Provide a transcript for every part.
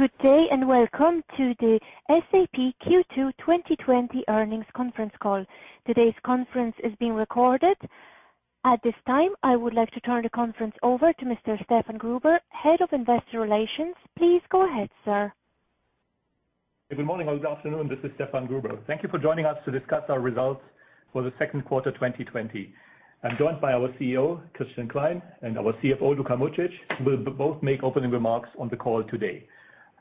Good day and welcome to the SAP Q2 2020 earnings conference call. Today's conference is being recorded. At this time, I would like to turn the conference over to Mr. Stefan Gruber, Head of Investor Relations. Please go ahead, sir. Good morning, or good afternoon. This is Stefan Gruber. Thank you for joining us to discuss our results for the second quarter 2020. I am joined by our CEO, Christian Klein, and our CFO, Luka Mucic, who will both make opening remarks on the call today.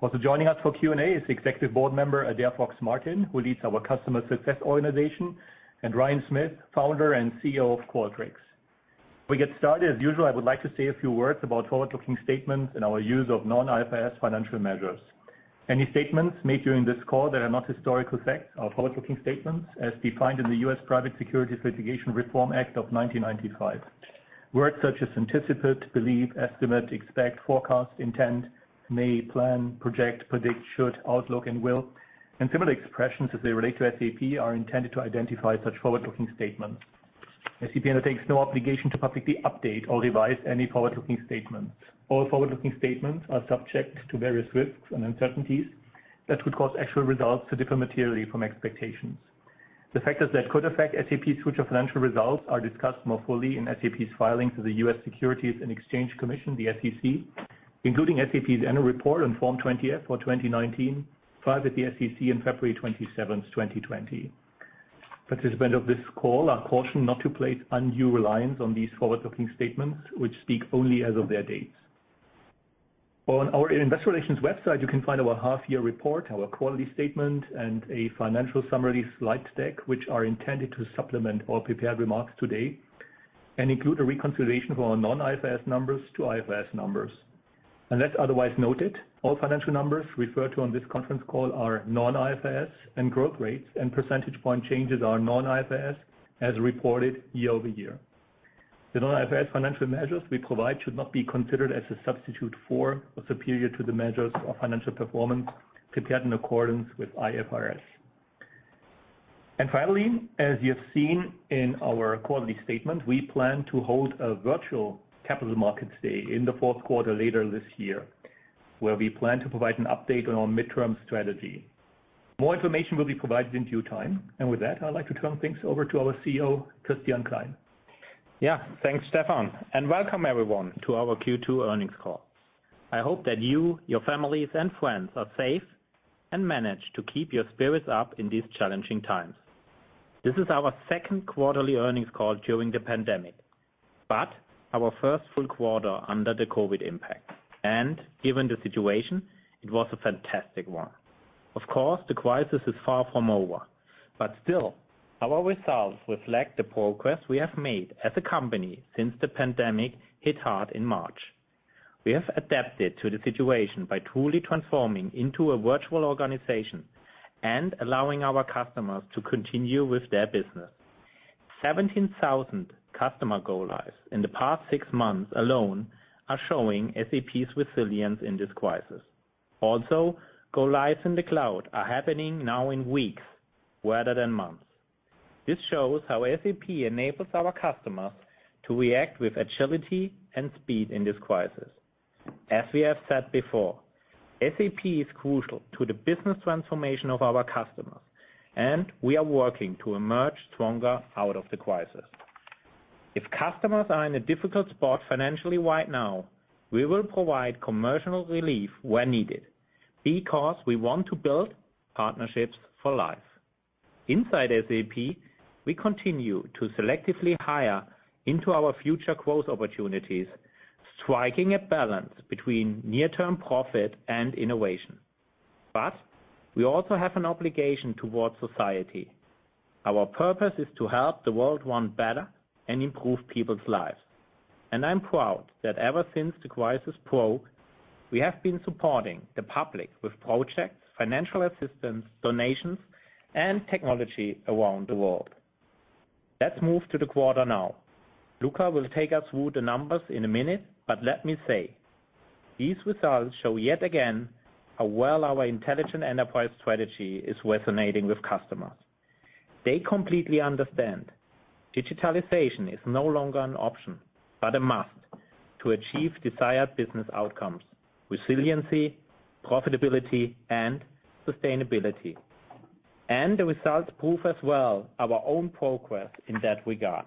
Also joining us for Q&A is Executive Board Member, Adaire Fox-Martin, who leads our Customer Success organization, and Ryan Smith, Founder and CEO of Qualtrics. Before we get started, as usual, I would like to say a few words about forward-looking statements and our use of non-IFRS financial measures. Any statements made during this call that are not historical facts are forward-looking statements as defined in the U.S. Private Securities Litigation Reform Act of 1995. Words such as anticipate, believe, estimate, expect, forecast, intend, may, plan, project, predict, should, outlook, and will, and similar expressions as they relate to SAP are intended to identify such forward-looking statements. SAP undertakes no obligation to publicly update or revise any forward-looking statements. All forward-looking statements are subject to various risks and uncertainties that could cause actual results to differ materially from expectations. The factors that could affect SAP's future financial results are discussed more fully in SAP's filings with the U.S. Securities and Exchange Commission, the SEC, including SAP's annual report on Form 20-F for 2019, filed with the SEC on February 27th, 2020. Participants of this call are cautioned not to place undue reliance on these forward-looking statements, which speak only as of their dates. On our investor relations website, you can find our half year report, our quarterly statement, and a financial summary slide deck, which are intended to supplement all prepared remarks today and include a reconciliation of our non-IFRS numbers to IFRS numbers. Unless otherwise noted, all financial numbers referred to on this conference call are non-IFRS, and growth rates and percentage point changes are non-IFRS as reported year-over-year. The non-IFRS financial measures we provide should not be considered as a substitute for or superior to the measures of financial performance prepared in accordance with IFRS. Finally, as you have seen in our quarterly statement, we plan to hold a virtual Capital Markets Day in the fourth quarter later this year, where we plan to provide an update on our mid-term strategy. More information will be provided in due time. With that, I'd like to turn things over to our CEO, Christian Klein. Yeah. Thanks, Stefan, and welcome everyone to our Q2 earnings call. I hope that you, your families, and friends are safe and manage to keep your spirits up in these challenging times. This is our second quarterly earnings call during the pandemic, but our first full quarter under the COVID impact. Given the situation, it was a fantastic one. Of course, the crisis is far from over, but still, our results reflect the progress we have made as a company since the pandemic hit hard in March. We have adapted to the situation by truly transforming into a virtual organization and allowing our customers to continue with their business. 17,000 customer go-lives in the past six months alone are showing SAP's resilience in this crisis. Also, go-lives in the cloud are happening now in weeks rather than months. This shows how SAP enables our customers to react with agility and speed in this crisis. As we have said before, SAP is crucial to the business transformation of our customers, and we are working to emerge stronger out of the crisis. If customers are in a difficult spot financially right now, we will provide commercial relief where needed, because we want to build partnerships for life. Inside SAP, we continue to selectively hire into our future growth opportunities, striking a balance between near-term profit and innovation, but we also have an obligation towards society. Our purpose is to help the world run better and improve people's lives. I'm proud that ever since the crisis broke, we have been supporting the public with projects, financial assistance, donations, and technology around the world. Let's move to the quarter now. Luka will take us through the numbers in a minute. Let me say, these results show yet again how well our Intelligent Enterprise Strategy is resonating with customers. They completely understand digitalization is no longer an option, but a must to achieve desired business outcomes, resiliency, profitability, and sustainability. The results prove as well our own progress in that regard.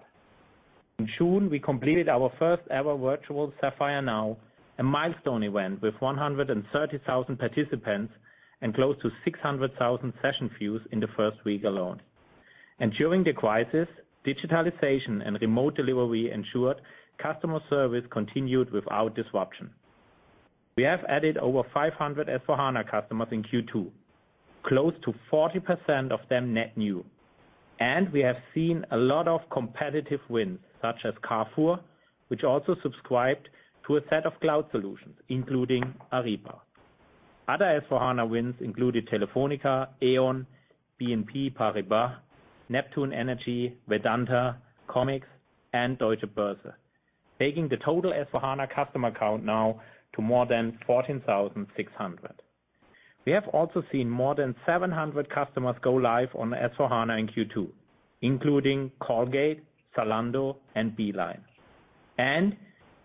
In June, we completed our first ever virtual SAPPHIRE NOW, a milestone event with 130,000 participants and close to 600,000 session views in the first week alone. During the crisis, digitalization and remote delivery ensured customer service continued without disruption. We have added over 500 S/4HANA customers in Q2, close to 40% of them net-new. We have seen a lot of competitive wins, such as Carrefour, which also subscribed to a set of cloud solutions, including Ariba. Other S/4HANA wins included Telefónica, Aon, BNP Paribas, Neptune Energy, Vedanta, Comix, and Deutsche Börse, taking the total S/4HANA customer count now to more than 14,600. We have also seen more than 700 customers go live on S/4HANA in Q2, including Colgate, Zalando, and Beeline.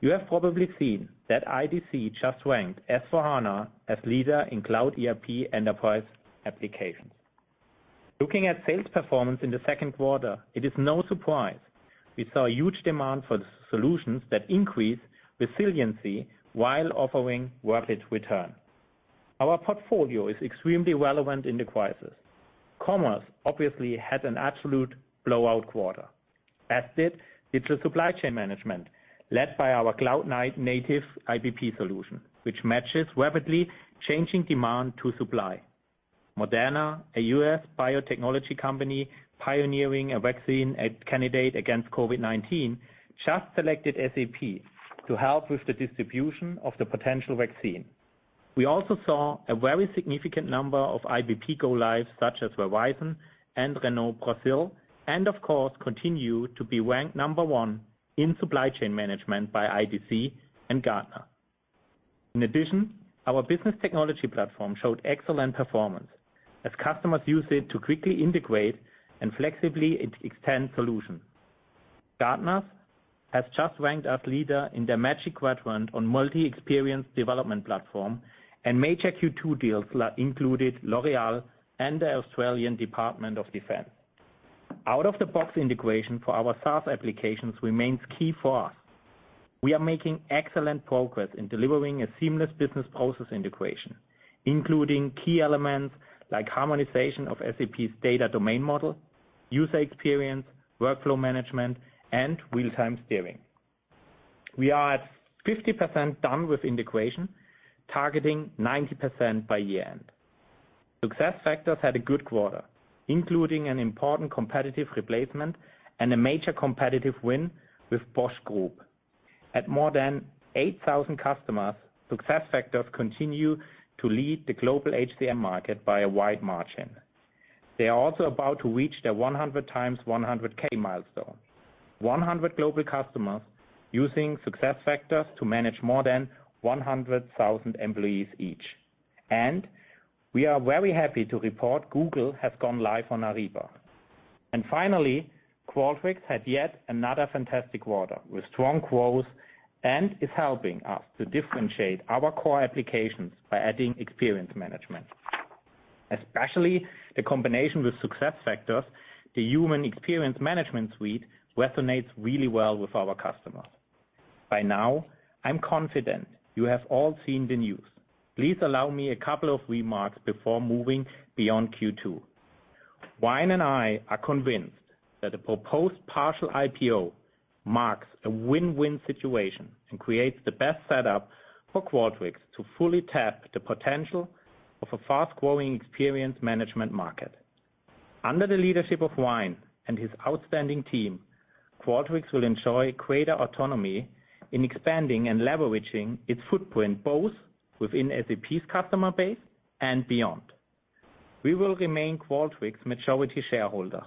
You have probably seen that IDC just ranked S/4HANA as leader in cloud ERP enterprise applications. Looking at sales performance in the second quarter, it is no surprise we saw a huge demand for the solutions that increase resiliency while offering rapid return. Our portfolio is extremely relevant in the crisis. Commerce obviously had an absolute blowout quarter, as did digital supply chain management, led by our cloud-native IBP solution, which matches rapidly changing demand to supply. Moderna, a U.S. biotechnology company pioneering a vaccine candidate against COVID-19, just selected SAP to help with the distribution of the potential vaccine. We also saw a very significant number of IBP go lives, such as Verizon and Renault Brasil, and of course, continue to be ranked number one in supply chain management by IDC and Gartner. In addition, our business technology platform showed excellent performance as customers use it to quickly integrate and flexibly extend solutions. Gartner has just ranked us leader in their Magic Quadrant on multi-experience development platform. Major Q2 deals included L'Oréal and the Australian Department of Defence. Out of the box integration for our SaaS applications remains key for us. We are making excellent progress in delivering a seamless business process integration, including key elements like harmonization of SAP's data domain model, user experience, workflow management, and real-time steering. We are at 50% done with integration, targeting 90% by year-end. SuccessFactors had a good quarter, including an important competitive replacement and a major competitive win with Bosch Group. At more than 8,000 customers, SuccessFactors continue to lead the global HCM market by a wide margin. They are also about to reach their 100 times 100K milestone. 100 global customers using SuccessFactors to manage more than 100,000 employees each. We are very happy to report Google has gone live on Ariba. Finally, Qualtrics had yet another fantastic quarter with strong growth and is helping us to differentiate our core applications by adding experience management. Especially the combination with SuccessFactors, the Human Experience Management suite resonates really well with our customers. By now, I'm confident you have all seen the news. Please allow me a couple of remarks before moving beyond Q2. Ryan and I are convinced that a proposed partial IPO marks a win-win situation and creates the best setup for Qualtrics to fully tap the potential of a fast-growing experience management market. Under the leadership of Ryan and his outstanding team, Qualtrics will enjoy greater autonomy in expanding and leveraging its footprint, both within SAP's customer base and beyond. We will remain Qualtrics' majority shareholder.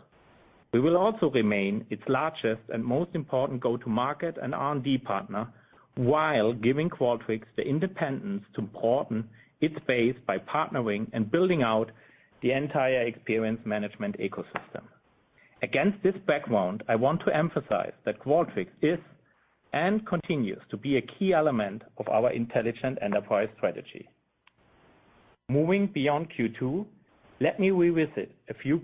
We will also remain its largest and most important go-to-market and R&D partner while giving Qualtrics the independence to broaden its base by partnering and building out the entire experience management ecosystem. Against this background, I want to emphasize that Qualtrics is and continues to be a key element of our Intelligent Enterprise strategy. Moving beyond Q2, let me revisit a few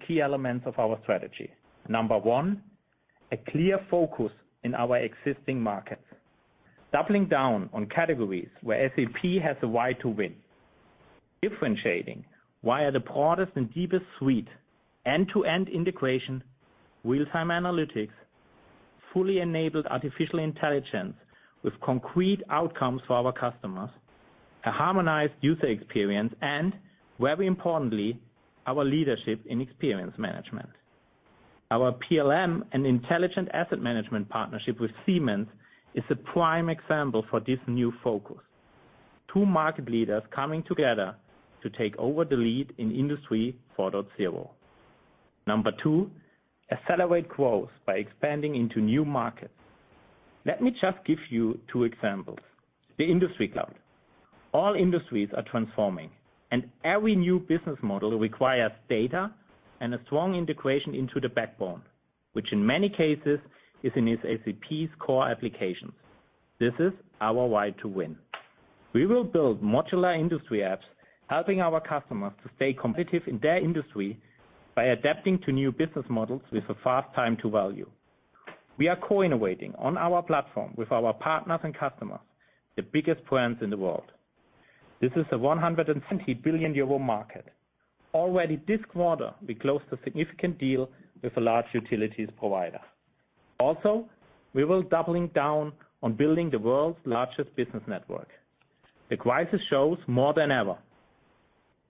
key elements of our strategy. Number one, a clear focus in our existing markets. Doubling down on categories where SAP has a right to win. Differentiating via the broadest and deepest suite, end-to-end integration, real-time analytics, fully enabled artificial intelligence with concrete outcomes for our customers, a harmonized user experience, and very importantly, our leadership in experience management. Our PLM and intelligent asset management partnership with Siemens is a prime example for this new focus. Two market leaders coming together to take over the lead in Industry 4.0. Number two, accelerate growth by expanding into new markets. Let me just give you two examples. The Industry Cloud. All industries are transforming, and every new business model requires data and a strong integration into the backbone, which in many cases is in SAP's core applications. This is our right to win. We will build modular industry apps, helping our customers to stay competitive in their industry by adapting to new business models with a fast time to value. We are co-innovating on our platform with our partners and customers, the biggest brands in the world. This is a 170 billion euro market. Already this quarter, we closed a significant deal with a large utilities provider. Also, we will doubling down on building the world's largest business network. The crisis shows more than ever,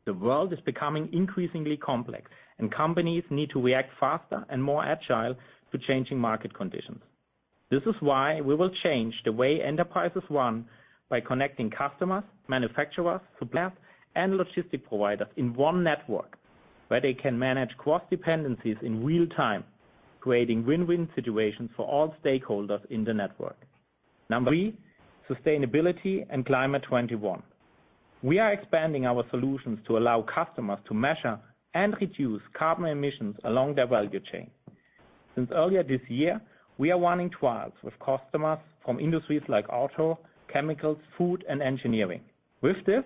the world is becoming increasingly complex. Companies need to react faster and more agile to changing market conditions. This is why we will change the way enterprises run by connecting customers, manufacturers, suppliers, and logistic providers in one network where they can manage cross-dependencies in real time, creating win-win situations for all stakeholders in the network. Number three, sustainability and Climate 21. We are expanding our solutions to allow customers to measure and reduce carbon emissions along their value chain. Since earlier this year, we are running trials with customers from industries like auto, chemicals, food, and engineering. With this,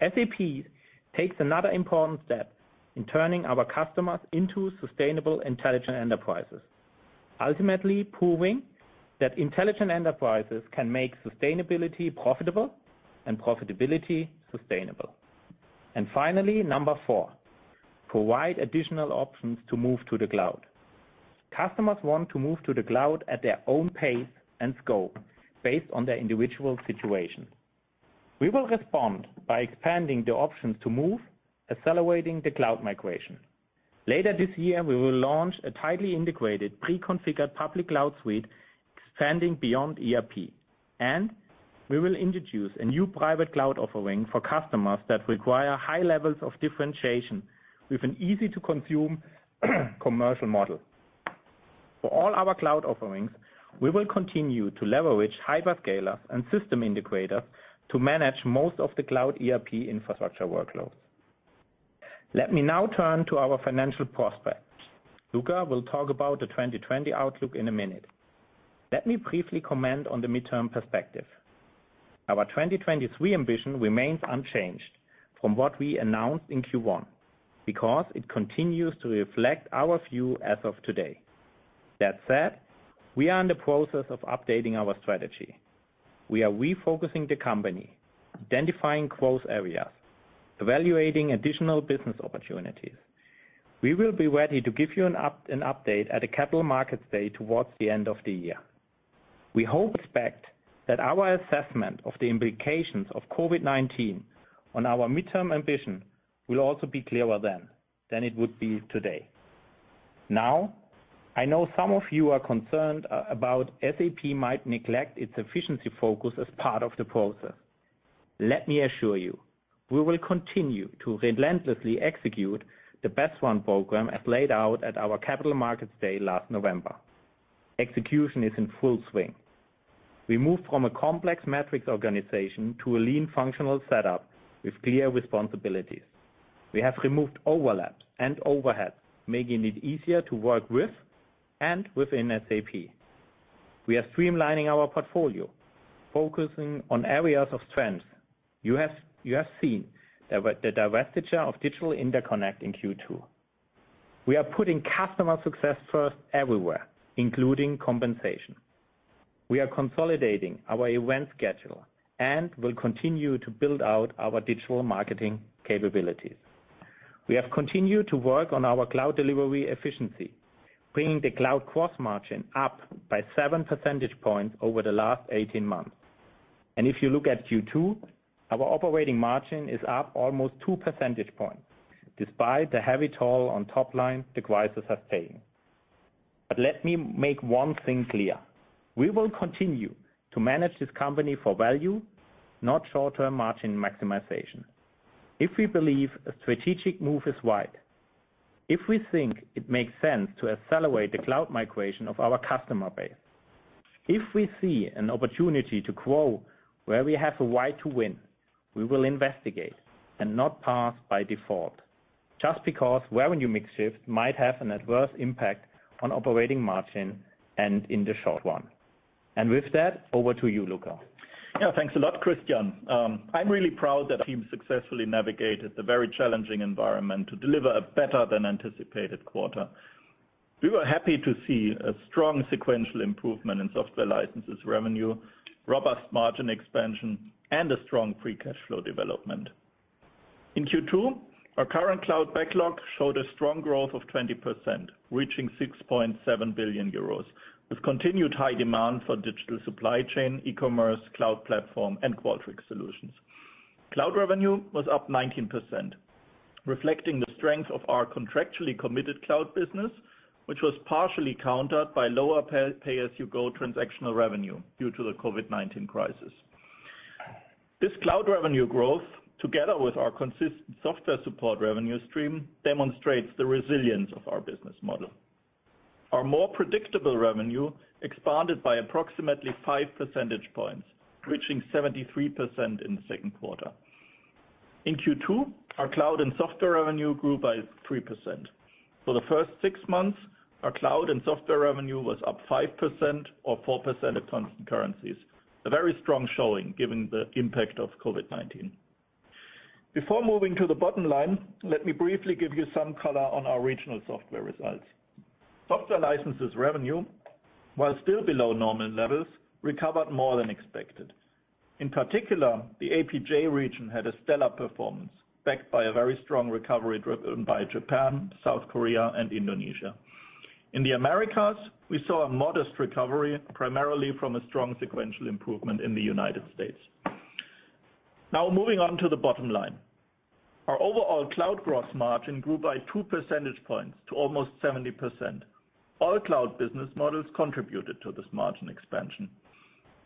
SAP takes another important step in turning our customers into sustainable, intelligent enterprises, ultimately proving that intelligent enterprises can make sustainability profitable and profitability sustainable. Finally, number four, provide additional options to move to the cloud. Customers want to move to the cloud at their own pace and scope based on their individual situation. We will respond by expanding the options to move, accelerating the cloud migration. Later this year, we will launch a tightly integrated, pre-configured public cloud suite expanding beyond ERP, and we will introduce a new private cloud offering for customers that require high levels of differentiation with an easy-to-consume commercial model. For all our cloud offerings, we will continue to leverage hyperscalers and system integrators to manage most of the cloud ERP infrastructure workloads. Let me now turn to our financial prospects. Luka will talk about the 2020 outlook in a minute. Let me briefly comment on the mid-term perspective. Our 2023 ambition remains unchanged from what we announced in Q1, because it continues to reflect our view as of today. That said, we are in the process of updating our strategy. We are refocusing the company, identifying growth areas, evaluating additional business opportunities. We will be ready to give you an update at a Capital Markets Day towards the end of the year. We hope, expect, that our assessment of the implications of COVID-19 on our mid-term ambition will also be clearer then than it would be today. I know some of you are concerned about SAP might neglect its efficiency focus as part of the process. Let me assure you, we will continue to relentlessly execute the Best Run program as laid out at our Capital Markets Day last November. Execution is in full swing. We move from a complex matrix organization to a lean functional setup with clear responsibilities. We have removed overlaps and overheads, making it easier to work with and within SAP. We are streamlining our portfolio, focusing on areas of strength. You have seen the divestiture of Digital Interconnect in Q2. We are putting customer success first everywhere, including compensation. We are consolidating our event schedule and will continue to build out our digital marketing capabilities. We have continued to work on our cloud delivery efficiency, bringing the cloud gross margin up by seven percentage points over the last 18 months. If you look at Q2, our operating margin is up almost two percentage points, despite the heavy toll on top line, the crisis has taken. Let me make one thing clear. We will continue to manage this company for value, not short-term margin maximization. If we believe a strategic move is right, if we think it makes sense to accelerate the cloud migration of our customer base, if we see an opportunity to grow where we have a right to win, we will investigate and not pass by default just because revenue mix shift might have an adverse impact on operating margin and in the short run. With that, over to you, Luka. Thanks a lot, Christian. I'm really proud that our team successfully navigated the very challenging environment to deliver a better than anticipated quarter. We were happy to see a strong sequential improvement in software licenses revenue, robust margin expansion, and a strong free cash flow development. In Q2, our current cloud backlog showed a strong growth of 20%, reaching 6.7 billion euros, with continued high demand for digital supply chain, e-commerce, cloud platform, and Qualtrics solutions. Cloud revenue was up 19%, reflecting the strength of our contractually committed cloud business, which was partially countered by lower pay-as-you-go transactional revenue due to the COVID-19 crisis. This cloud revenue growth, together with our consistent software support revenue stream, demonstrates the resilience of our business model. Our more predictable revenue expanded by approximately five percentage points, reaching 73% in the second quarter. In Q2, our cloud and software revenue grew by 3%. For the first six months, our cloud and software revenue was up 5%, or 4% at constant currencies. A very strong showing given the impact of COVID-19. Before moving to the bottom line, let me briefly give you some color on our regional software results. Software licenses revenue, while still below normal levels, recovered more than expected. In particular, the APJ region had a stellar performance, backed by a very strong recovery driven by Japan, South Korea, and Indonesia. In the Americas, we saw a modest recovery, primarily from a strong sequential improvement in the United States. Now moving on to the bottom line. Our overall cloud gross margin grew by two percentage points to almost 70%. All cloud business models contributed to this margin expansion.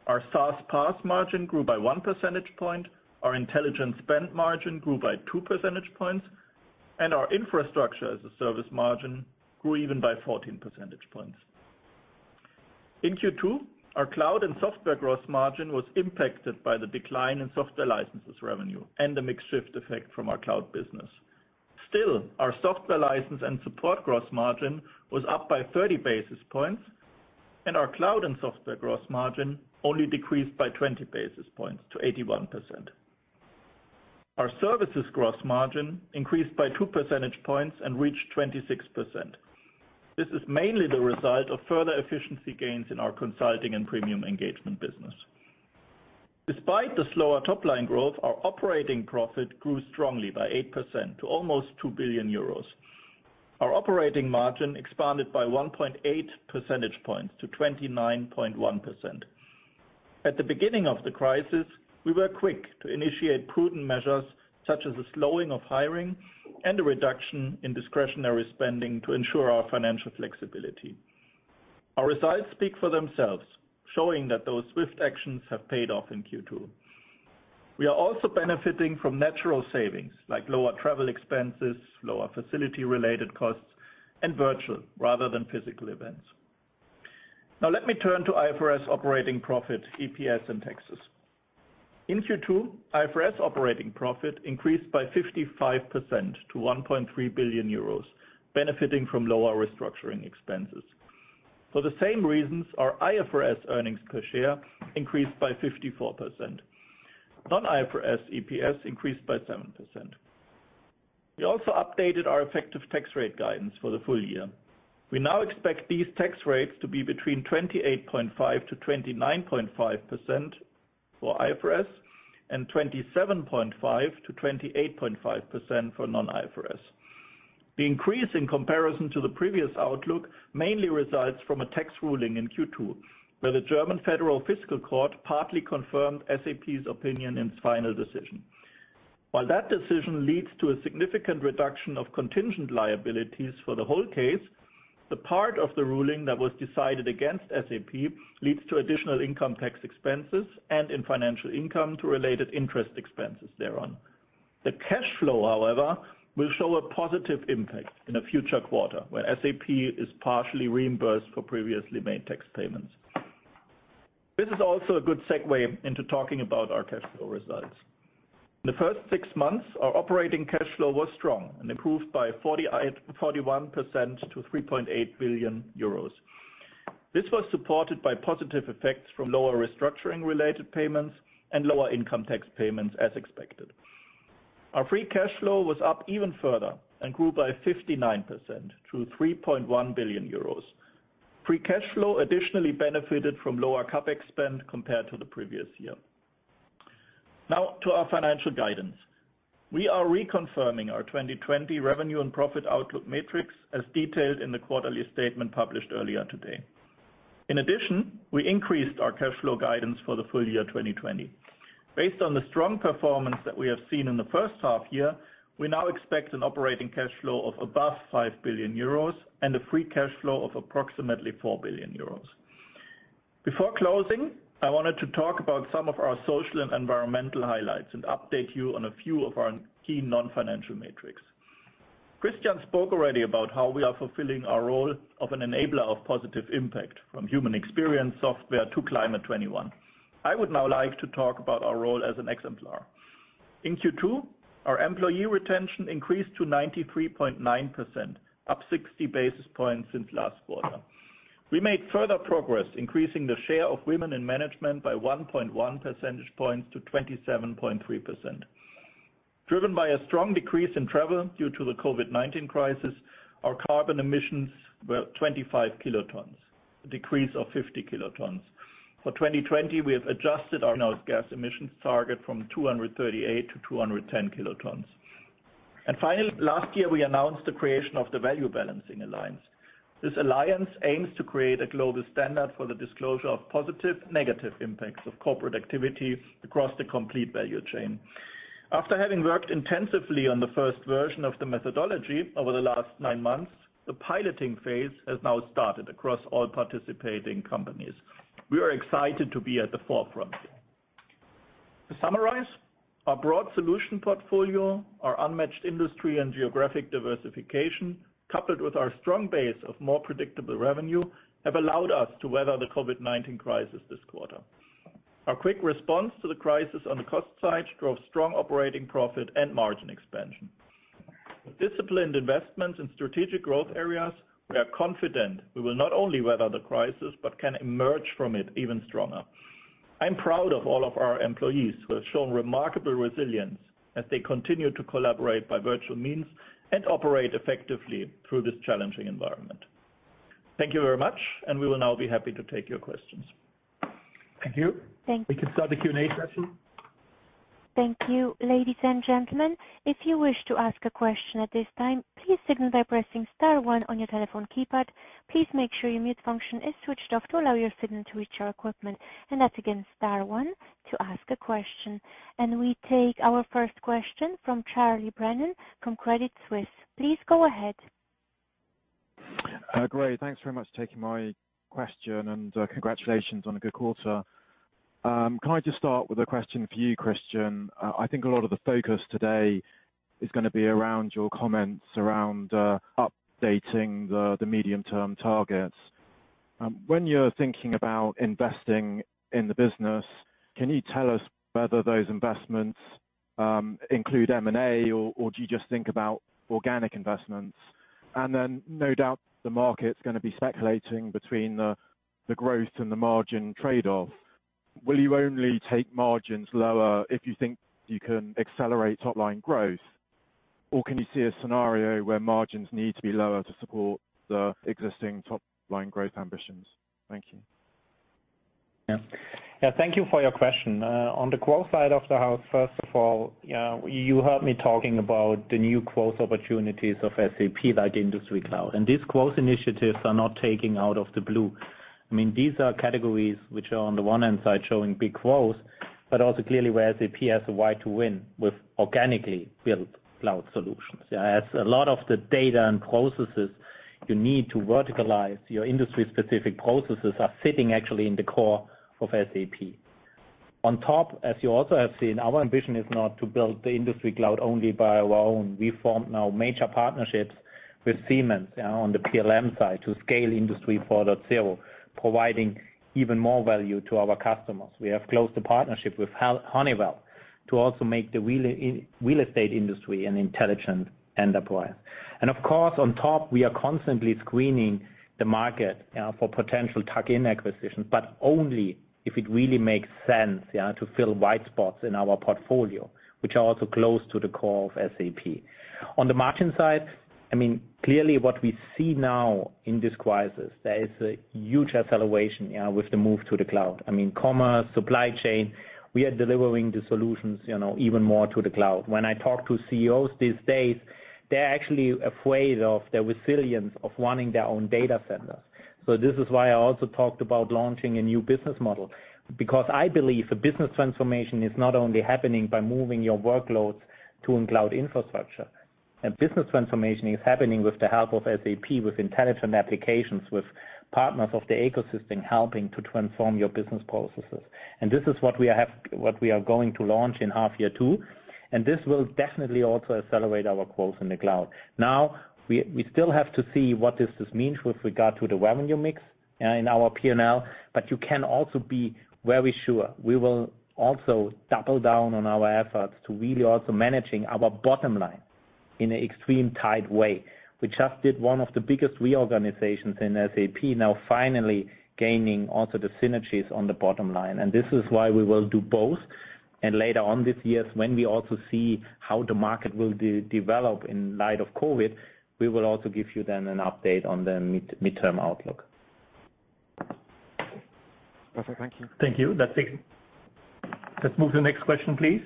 Our SaaS/PaaS margin grew by one percentage point. Our Intelligent Spend margin grew by two percentage points. Our Infrastructure as a Service margin grew even by 14 percentage points. In Q2, our Cloud and Software gross margin was impacted by the decline in software licenses revenue and the mix shift effect from our cloud business. Still, our Software License and Support gross margin was up by 30 basis points, and our Cloud and Software gross margin only decreased by 20 basis points to 81%. Our Services gross margin increased by two percentage points and reached 26%. This is mainly the result of further efficiency gains in our consulting and premium engagement business. Despite the slower top-line growth, our operating profit grew strongly by 8% to almost 2 billion euros. Our operating margin expanded by 1.8 percentage points to 29.1%. At the beginning of the crisis, we were quick to initiate prudent measures such as a slowing of hiring and a reduction in discretionary spending to ensure our financial flexibility. Our results speak for themselves, showing that those swift actions have paid off in Q2. We are also benefiting from natural savings like lower travel expenses, lower facility-related costs, and virtual rather than physical events. Now let me turn to IFRS operating profit, EPS, and taxes. In Q2, IFRS operating profit increased by 55% to 1.3 billion euros, benefiting from lower restructuring expenses. For the same reasons, our IFRS earnings per share increased by 54%. Non-IFRS EPS increased by 7%. We also updated our effective tax rate guidance for the full year. We now expect these tax rates to be between 28.5%-29.5% for IFRS and 27.5%-28.5% for non-IFRS. The increase in comparison to the previous outlook mainly results from a tax ruling in Q2, where the German Federal Fiscal Court partly confirmed SAP's opinion in its final decision. While that decision leads to a significant reduction of contingent liabilities for the whole case, the part of the ruling that was decided against SAP leads to additional income tax expenses and in financial income to related interest expenses thereon. The cash flow, however, will show a positive impact in a future quarter where SAP is partially reimbursed for previously made tax payments. This is also a good segue into talking about our cash flow results. In the first six months, our operating cash flow was strong and improved by 41% to 3.8 billion euros. This was supported by positive effects from lower restructuring-related payments and lower income tax payments, as expected. Our free cash flow was up even further and grew by 59% to 3.1 billion euros. Free cash flow additionally benefited from lower CapEx spend compared to the previous year. To our financial guidance. We are reconfirming our 2020 revenue and profit outlook matrix as detailed in the quarterly statement published earlier today. In addition, we increased our cash flow guidance for the full year 2020. Based on the strong performance that we have seen in the first half year, we now expect an operating cash flow of above 5 billion euros and a free cash flow of approximately 4 billion euros. Before closing, I wanted to talk about some of our social and environmental highlights and update you on a few of our key non-financial metrics. Christian spoke already about how we are fulfilling our role of an enabler of positive impact from human experience management to Climate 21. I would now like to talk about our role as an exemplar. In Q2, our employee retention increased to 93.9%, up 60 basis points since last quarter. We made further progress increasing the share of women in management by 1.1 percentage points to 27.3%. Driven by a strong decrease in travel due to the COVID-19 crisis, our carbon emissions were 25 kt, a decrease of 50 kt. For 2020, we have adjusted our greenhouse gas emissions target from 238 kt to 210 kt. Finally, last year, we announced the creation of the Value Balancing Alliance. This alliance aims to create a global standard for the disclosure of positive, negative impacts of corporate activities across the complete value chain. After having worked intensively on the first version of the methodology over the last nine months, the piloting phase has now started across all participating companies. We are excited to be at the forefront here. To summarize, our broad solution portfolio, our unmatched industry and geographic diversification, coupled with our strong base of more predictable revenue, have allowed us to weather the COVID-19 crisis this quarter. Our quick response to the crisis on the cost side drove strong operating profit and margin expansion. With disciplined investments in strategic growth areas, we are confident we will not only weather the crisis but can emerge from it even stronger. I'm proud of all of our employees who have shown remarkable resilience as they continue to collaborate by virtual means and operate effectively through this challenging environment. Thank you very much, and we will now be happy to take your questions. Thank you. We can start the Q&A session. Thank you. Ladies and gentlemen, if you wish to ask a question at this time, please signal by pressing star one on your telephone keypad. Please make sure your mute function is switched off to allow your signal to reach our equipment. That's again star one to ask a question. We take our first question from Charlie Brennan from Credit Suisse. Please go ahead. Great. Thanks very much for taking my question, and congratulations on a good quarter. Can I just start with a question for you, Christian? I think a lot of the focus today is going to be around your comments around updating the medium-term targets. When you're thinking about investing in the business, can you tell us whether those investments include M&A, or do you just think about organic investments? No doubt the market's going to be speculating between the growth and the margin trade-off. Will you only take margins lower if you think you can accelerate top-line growth? Can you see a scenario where margins need to be lower to support the existing top-line growth ambitions? Thank you. Yeah. Thank you for your question. On the growth side of the house, first of all, you heard me talking about the new growth opportunities of SAP, like Industry Cloud. These growth initiatives are not taking out of the blue. These are categories which are on the one hand side showing big growth, also clearly where SAP has a right to win with organically built cloud solutions. A lot of the data and processes you need to verticalize your industry-specific processes are sitting actually in the core of SAP. On top, as you also have seen, our ambition is not to build the Industry Cloud only by our own. We formed now major partnerships with Siemens on the PLM side to scale Industry 4.0, providing even more value to our customers. We have closed a partnership with Honeywell to also make the real estate industry an Intelligent Enterprise. Of course, on top, we are constantly screening the market for potential tuck-in acquisitions, but only if it really makes sense to fill white spots in our portfolio, which are also close to the core of SAP. On the margin side, clearly what we see now in this crisis, there is a huge acceleration with the move to the cloud. Commerce, supply chain, we are delivering the solutions even more to the cloud. When I talk to CEOs these days, they're actually afraid of the resilience of running their own data centers. This is why I also talked about launching a new business model, because I believe a business transformation is not only happening by moving your workloads to a cloud infrastructure. A business transformation is happening with the help of SAP, with intelligent applications, with partners of the ecosystem helping to transform your business processes. This is what we are going to launch in half year two, and this will definitely also accelerate our growth in the cloud. We still have to see what this means with regard to the revenue mix in our P&L. You can also be very sure we will also double down on our efforts to really also managing our bottom line in an extreme tight way. We just did one of the biggest reorganizations in SAP, now finally gaining also the synergies on the bottom line. This is why we will do both. Later on this year, when we also see how the market will develop in light of COVID-19, we will also give you then an update on the mid-term outlook. Perfect. Thank you. Thank you. That's it. Let's move to the next question, please.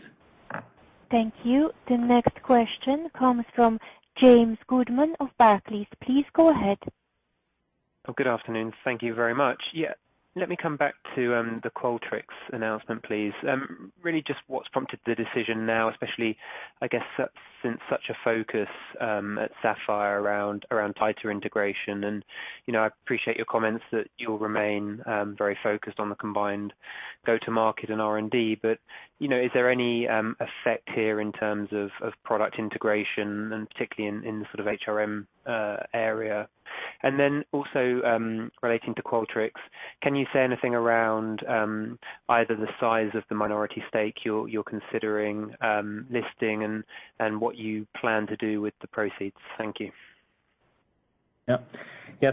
Thank you. The next question comes from James Goodman of Barclays. Please go ahead. Good afternoon. Thank you very much. Yeah. Let me come back to the Qualtrics announcement, please. Really just what's prompted the decision now, especially, I guess, since such a focus at SAPPHIRE around tighter integration. I appreciate your comments that you'll remain very focused on the combined go-to-market and R&D, but is there any effect here in terms of product integration, and particularly in the HXM area? Also relating to Qualtrics, can you say anything around either the size of the minority stake you're considering listing and what you plan to do with the proceeds? Thank you.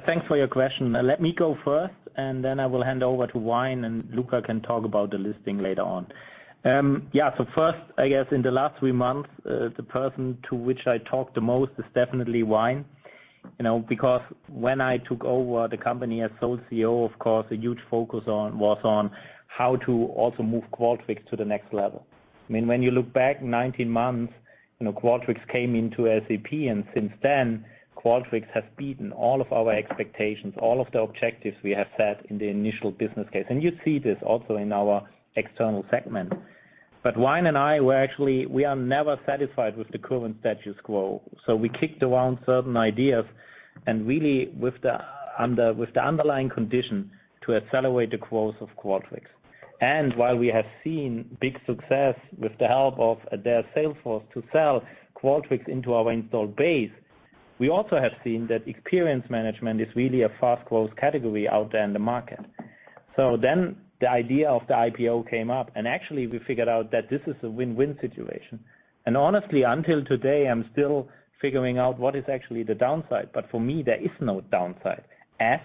Thanks for your question. Let me go first, and then I will hand over to Ryan, and Luka can talk about the listing later on. First, I guess in the last three months, the person to which I talked the most is definitely Ryan. When I took over the company as sole CEO, of course, a huge focus was on how to also move Qualtrics to the next level. When you look back 19 months, Qualtrics came into SAP, and since then, Qualtrics has beaten all of our expectations, all of the objectives we have set in the initial business case. You see this also in our external segment. Ryan and I, we are never satisfied with the current status quo. We kicked around certain ideas, really with the underlying condition to accelerate the growth of Qualtrics. While we have seen big success with the help of their sales force to sell Qualtrics into our installed base, we also have seen that Experience Management is really a fast growth category out there in the market. The idea of the IPO came up, and actually, we figured out that this is a win-win situation. Honestly, until today, I'm still figuring out what is actually the downside. For me, there is no downside, as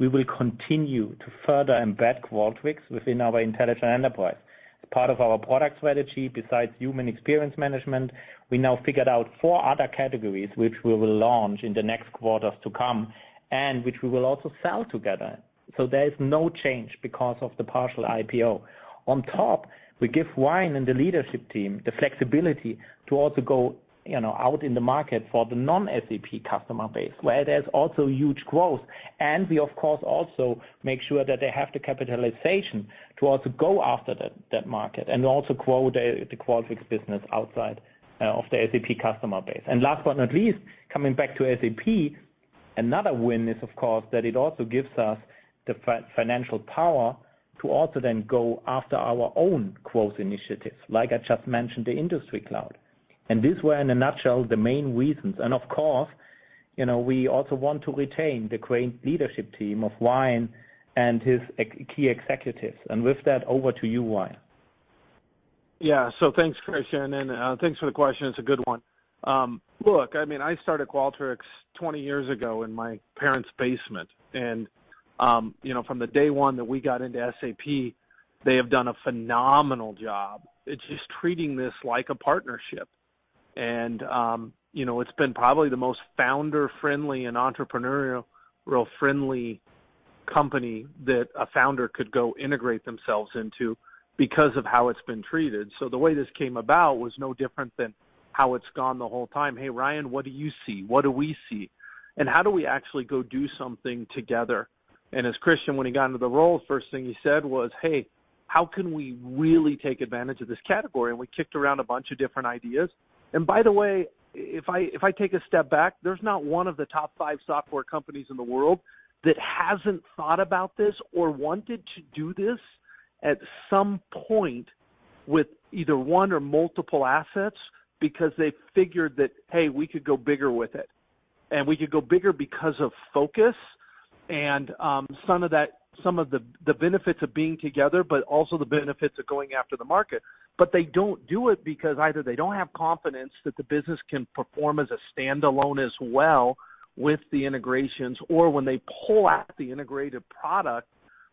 we will continue to further embed Qualtrics within our Intelligent Enterprise. As part of our product strategy, besides Human Experience Management, we now figured out four other categories which we will launch in the next quarters to come, and which we will also sell together. There is no change because of the partial IPO. On top, we give Ryan and the leadership team the flexibility to also go out in the market for the non-SAP customer base, where there is also huge growth. We, of course, also make sure that they have the capitalization to also go after that market and also grow the Qualtrics business outside of the SAP customer base. Last but not least, coming back to SAP, another win is, of course, that it also gives us the financial power to also then go after our own growth initiatives, like I just mentioned, the Industry Cloud. These were, in a nutshell, the main reasons. Of course, we also want to retain the great leadership team of Ryan and his key executives. With that, over to you, Ryan. Thanks, Christian, and thanks for the question. It's a good one. Look, I started Qualtrics 20 years ago in my parents' basement. From the day one that we got into SAP, they have done a phenomenal job. It's just treating this like a partnership. It's been probably the most founder-friendly and entrepreneurial-friendly company that a founder could go integrate themselves into because of how it's been treated. The way this came about was no different than how it's gone the whole time. hey, Ryan, what do you see? What do we see, and how do we actually go do something together? As Christian, when he got into the role, first thing he said was, hey, how can we really take advantage of this category? We kicked around a bunch of different ideas. By the way, if I take a step back, there's not one of the top five software companies in the world that hasn't thought about this or wanted to do this at some point with either one or multiple assets, because they figured that, hey, we could go bigger with it. We could go bigger because of focus and some of the benefits of being together, but also the benefits of going after the market, but they don't do it because either they don't have confidence that the business can perform as a standalone as well with the integrations. When they pull out the integrated product,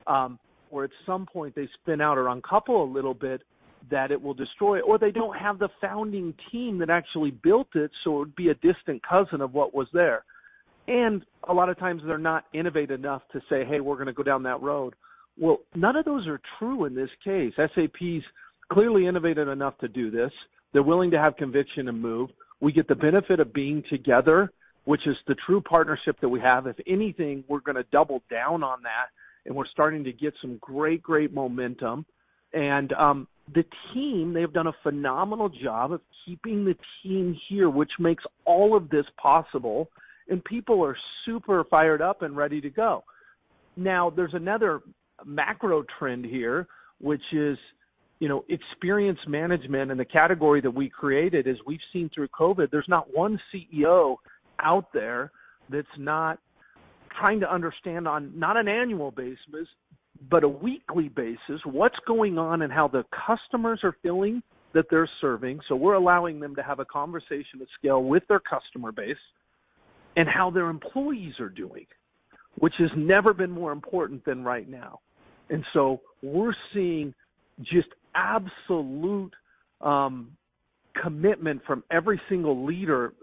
at some point they spin out or uncouple a little bit, that it will destroy it. They don't have the founding team that actually built it, so it would be a distant cousin of what was there. A lot of times, they're not innovative enough to say, hey, we're going to go down that road. Well, none of those are true in this case. SAP's clearly innovative enough to do this. They're willing to have conviction and move. We get the benefit of being together, which is the true partnership that we have. If anything, we're going to double down on that, and we're starting to get some great momentum. The team, they have done a phenomenal job of keeping the team here, which makes all of this possible, and people are super fired up and ready to go. Now, there's another macro trend here, which is Experience Management and the category that we created. As we've seen through COVID, there's not one CEO out there that's not trying to understand on, not an annual basis, but a weekly basis, what's going on and how the customers are feeling that they're serving. We're allowing them to have a conversation at scale with their customer base and how their employees are doing, which has never been more important than right now. We're seeing just absolute commitment from every single leader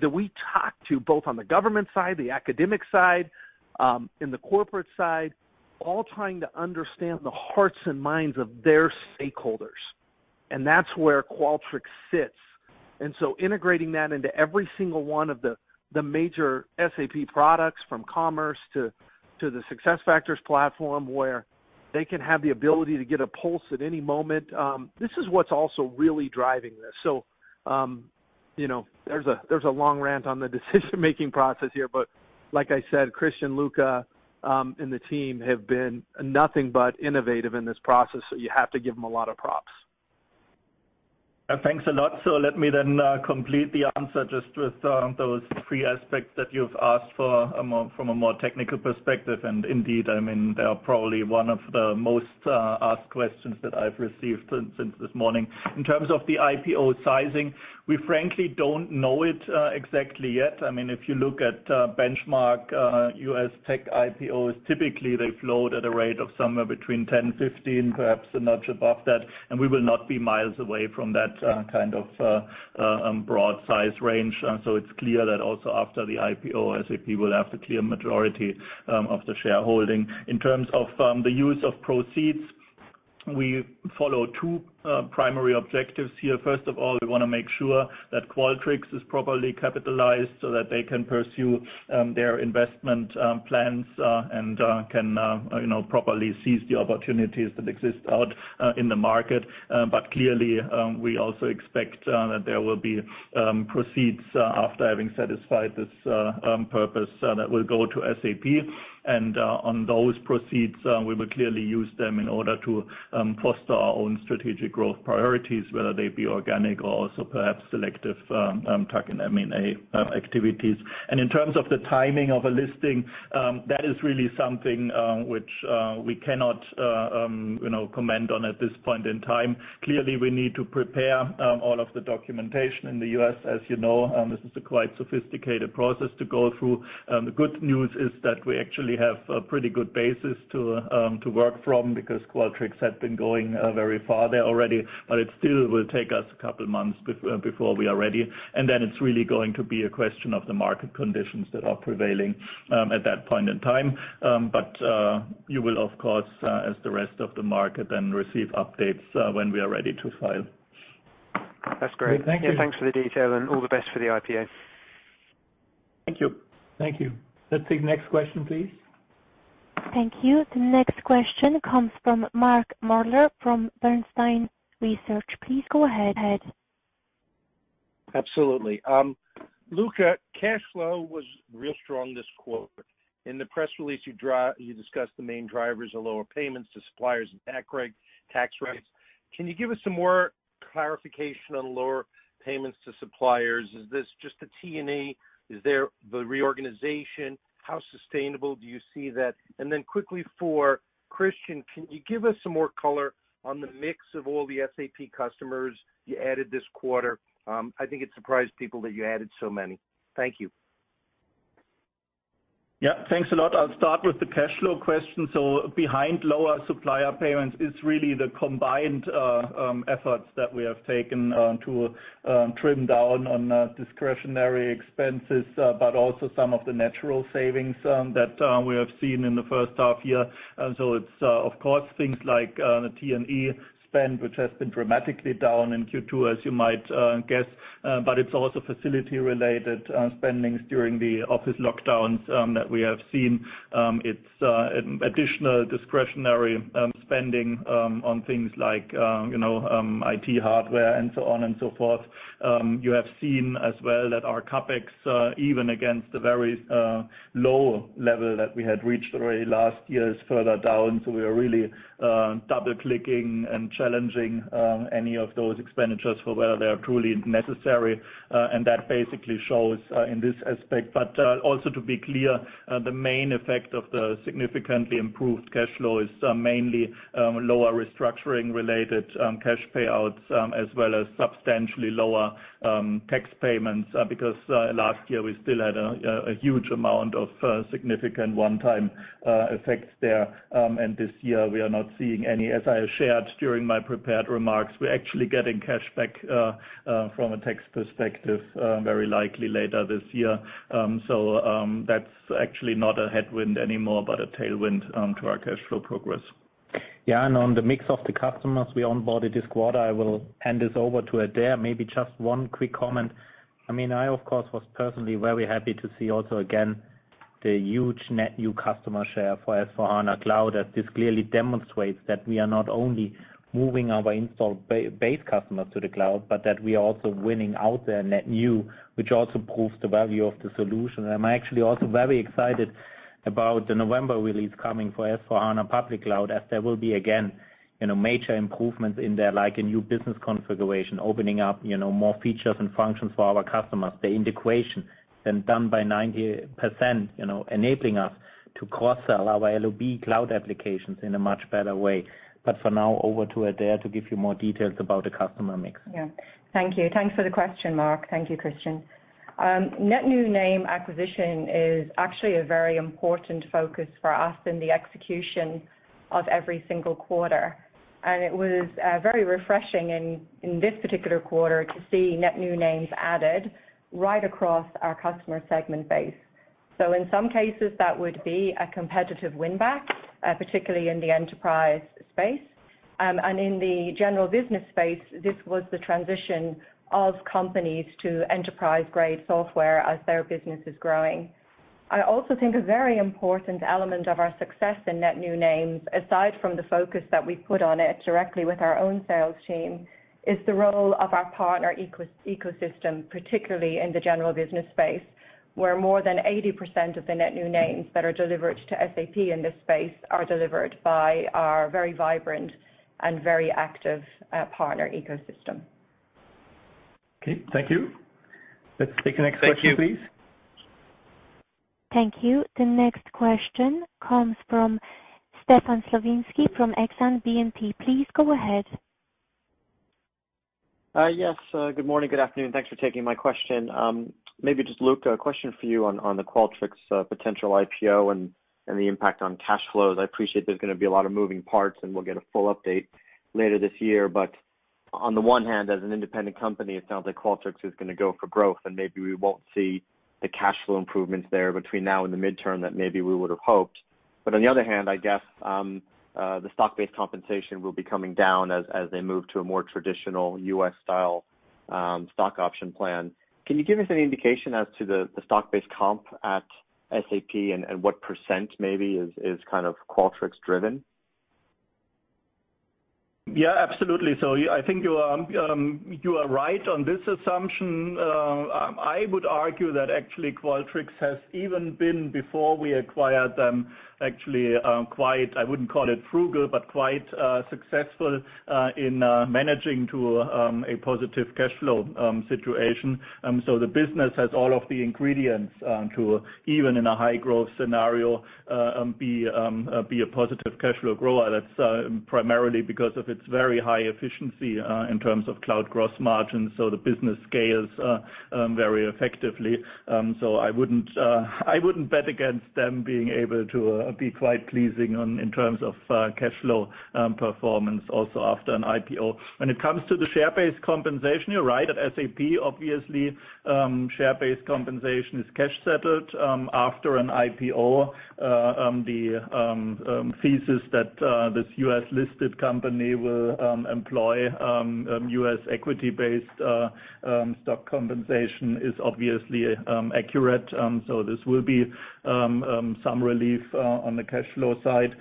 that we talk to, both on the government side, the academic side, in the corporate side, all trying to understand the hearts and minds of their stakeholders. That's where Qualtrics sits. Integrating that into every single one of the major SAP products, from Commerce to the SuccessFactors platform, where they can have the ability to get a pulse at any moment. This is what's also really driving this. There's a long rant on the decision-making process here, but like I said, Christian, Luka, and the team have been nothing but innovative in this process. You have to give them a lot of props. Thanks a lot. Let me then complete the answer just with those three aspects that you've asked for from a more technical perspective. Indeed, they are probably one of the most asked questions that I've received since this morning. In terms of the IPO sizing, we frankly don't know it exactly yet. If you look at benchmark U.S. tech IPOs, typically they float at a rate of somewhere between 10% and 15%, perhaps a notch above that, and we will not be miles away from that kind of broad size range. It's clear that also after the IPO, SAP will have the clear majority of the shareholding. In terms of the use of proceeds, we follow two primary objectives here. First of all, we want to make sure that Qualtrics is properly capitalized so that they can pursue their investment plans and can properly seize the opportunities that exist out in the market. Clearly, we also expect that there will be proceeds after having satisfied this purpose that will go to SAP. On those proceeds, we will clearly use them in order to foster our own strategic growth priorities, whether they be organic or also perhaps selective tuck-in M&A activities. In terms of the timing of a listing, that is really something which we cannot comment on at this point in time. Clearly, we need to prepare all of the documentation in the U.S. As you know, this is a quite sophisticated process to go through. The good news is that we actually have a pretty good basis to work from because Qualtrics had been going very far there already. It still will take us a couple of months before we are ready. Then it's really going to be a question of the market conditions that are prevailing at that point in time. You will, of course, as the rest of the market, then receive updates when we are ready to file. That's great. Thank you. Yeah, thanks for the detail and all the best for the IPO. Thank you. Thank you. Let's take next question, please. Thank you. The next question comes from Mark Moerdler from Bernstein Research. Please go ahead. Absolutely. Luka, cash flow was real strong this quarter. In the press release, you discussed the main drivers are lower payments to suppliers and tax rates. Can you give us some more clarification on lower payments to suppliers? Is this just a T&E? Is there the reorganization? How sustainable do you see that? Quickly for Christian, can you give us some more color on the mix of all the SAP customers you added this quarter? I think it surprised people that you added so many. Thank you. Yeah. Thanks a lot. I'll start with the cash flow question. Behind lower supplier payments is really the combined efforts that we have taken to trim down on discretionary expenses, but also some of the natural savings that we have seen in the first half year. It's of course things like the T&E spend, which has been dramatically down in Q2 as you might guess. It's also facility related spendings during the office lockdowns that we have seen. It's additional discretionary spending on things like IT hardware and so on and so forth. You have seen as well that our CapEx, even against the very low level that we had reached already last year, is further down. We are really double-clicking and challenging any of those expenditures for whether they are truly necessary. That basically shows in this aspect. Also to be clear, the main effect of the significantly improved cash flow is mainly lower restructuring related cash payouts, as well as substantially lower tax payments, because last year we still had a huge amount of significant one-time effects there. This year we are not seeing any. As I shared during my prepared remarks, we're actually getting cash back from a tax perspective very likely later this year. That's actually not a headwind anymore, but a tailwind to our cash flow progress. Yeah, on the mix of the customers we onboarded this quarter, I will hand this over to Adaire. Maybe just one quick comment. I, of course, was personally very happy to see also, again, the huge net-new customer share for S/4HANA Cloud, as this clearly demonstrates that we are not only moving our installed base customers to the cloud, but that we are also winning out there net-new, which also proves the value of the solution. I'm actually also very excited about the November release coming for S/4HANA Public Cloud, as there will be again, major improvements in there, like a new business configuration, opening up more features and functions for our customers. The integration then done by 90%, enabling us to cross-sell our LoB cloud applications in a much better way. For now, over to Adaire to give you more details about the customer mix. Thank you. Thanks for the question, Mark. Thank you, Christian. Net-new name acquisition is actually a very important focus for us in the execution of every single quarter. It was very refreshing in this particular quarter to see net-new names added right across our customer segment base. In some cases, that would be a competitive win-back, particularly in the enterprise space. In the general business space, this was the transition of companies to enterprise-grade software as their business is growing. I also think a very important element of our success in net-new names, aside from the focus that we put on it directly with our own sales team, is the role of our partner ecosystem, particularly in the general business space, where more than 80% of the net-new names that are delivered to SAP in this space are delivered by our very vibrant and very active partner ecosystem. Okay. Thank you. Let's take the next question, please. Thank you. The next question comes from Stefan Slowinski from Exane BNP. Please go ahead. Yes. Good morning, good afternoon. Thanks for taking my question. Maybe just Luka, a question for you on the Qualtrics potential IPO and the impact on cash flows. I appreciate there's going to be a lot of moving parts and we'll get a full update later this year. On the one hand, as an independent company, it sounds like Qualtrics is going to go for growth, and maybe we won't see the cash flow improvements there between now and the mid-term that maybe we would have hoped. On the other hand, I guess, the stock-based compensation will be coming down as they move to a more traditional U.S. style stock option plan. Can you give us any indication as to the stock-based comp at SAP and what percent maybe is kind of Qualtrics driven? Yeah, absolutely. I think you are right on this assumption. I would argue that actually Qualtrics has even been, before we acquired them, actually quite, I wouldn't call it frugal, but quite successful in managing to a positive cash flow situation. The business has all of the ingredients to, even in a high growth scenario, be a positive cash flow grower. That's primarily because of its very high efficiency in terms of cloud gross margins, so the business scales very effectively. I wouldn't bet against them being able to be quite pleasing in terms of cash flow performance also after an IPO. When it comes to the share-based compensation, you're right. At SAP, obviously, share-based compensation is cash settled. After an IPO, the thesis that this U.S. listed company will employ U.S. equity-based stock compensation is obviously accurate. This will be some relief on the cash flow side.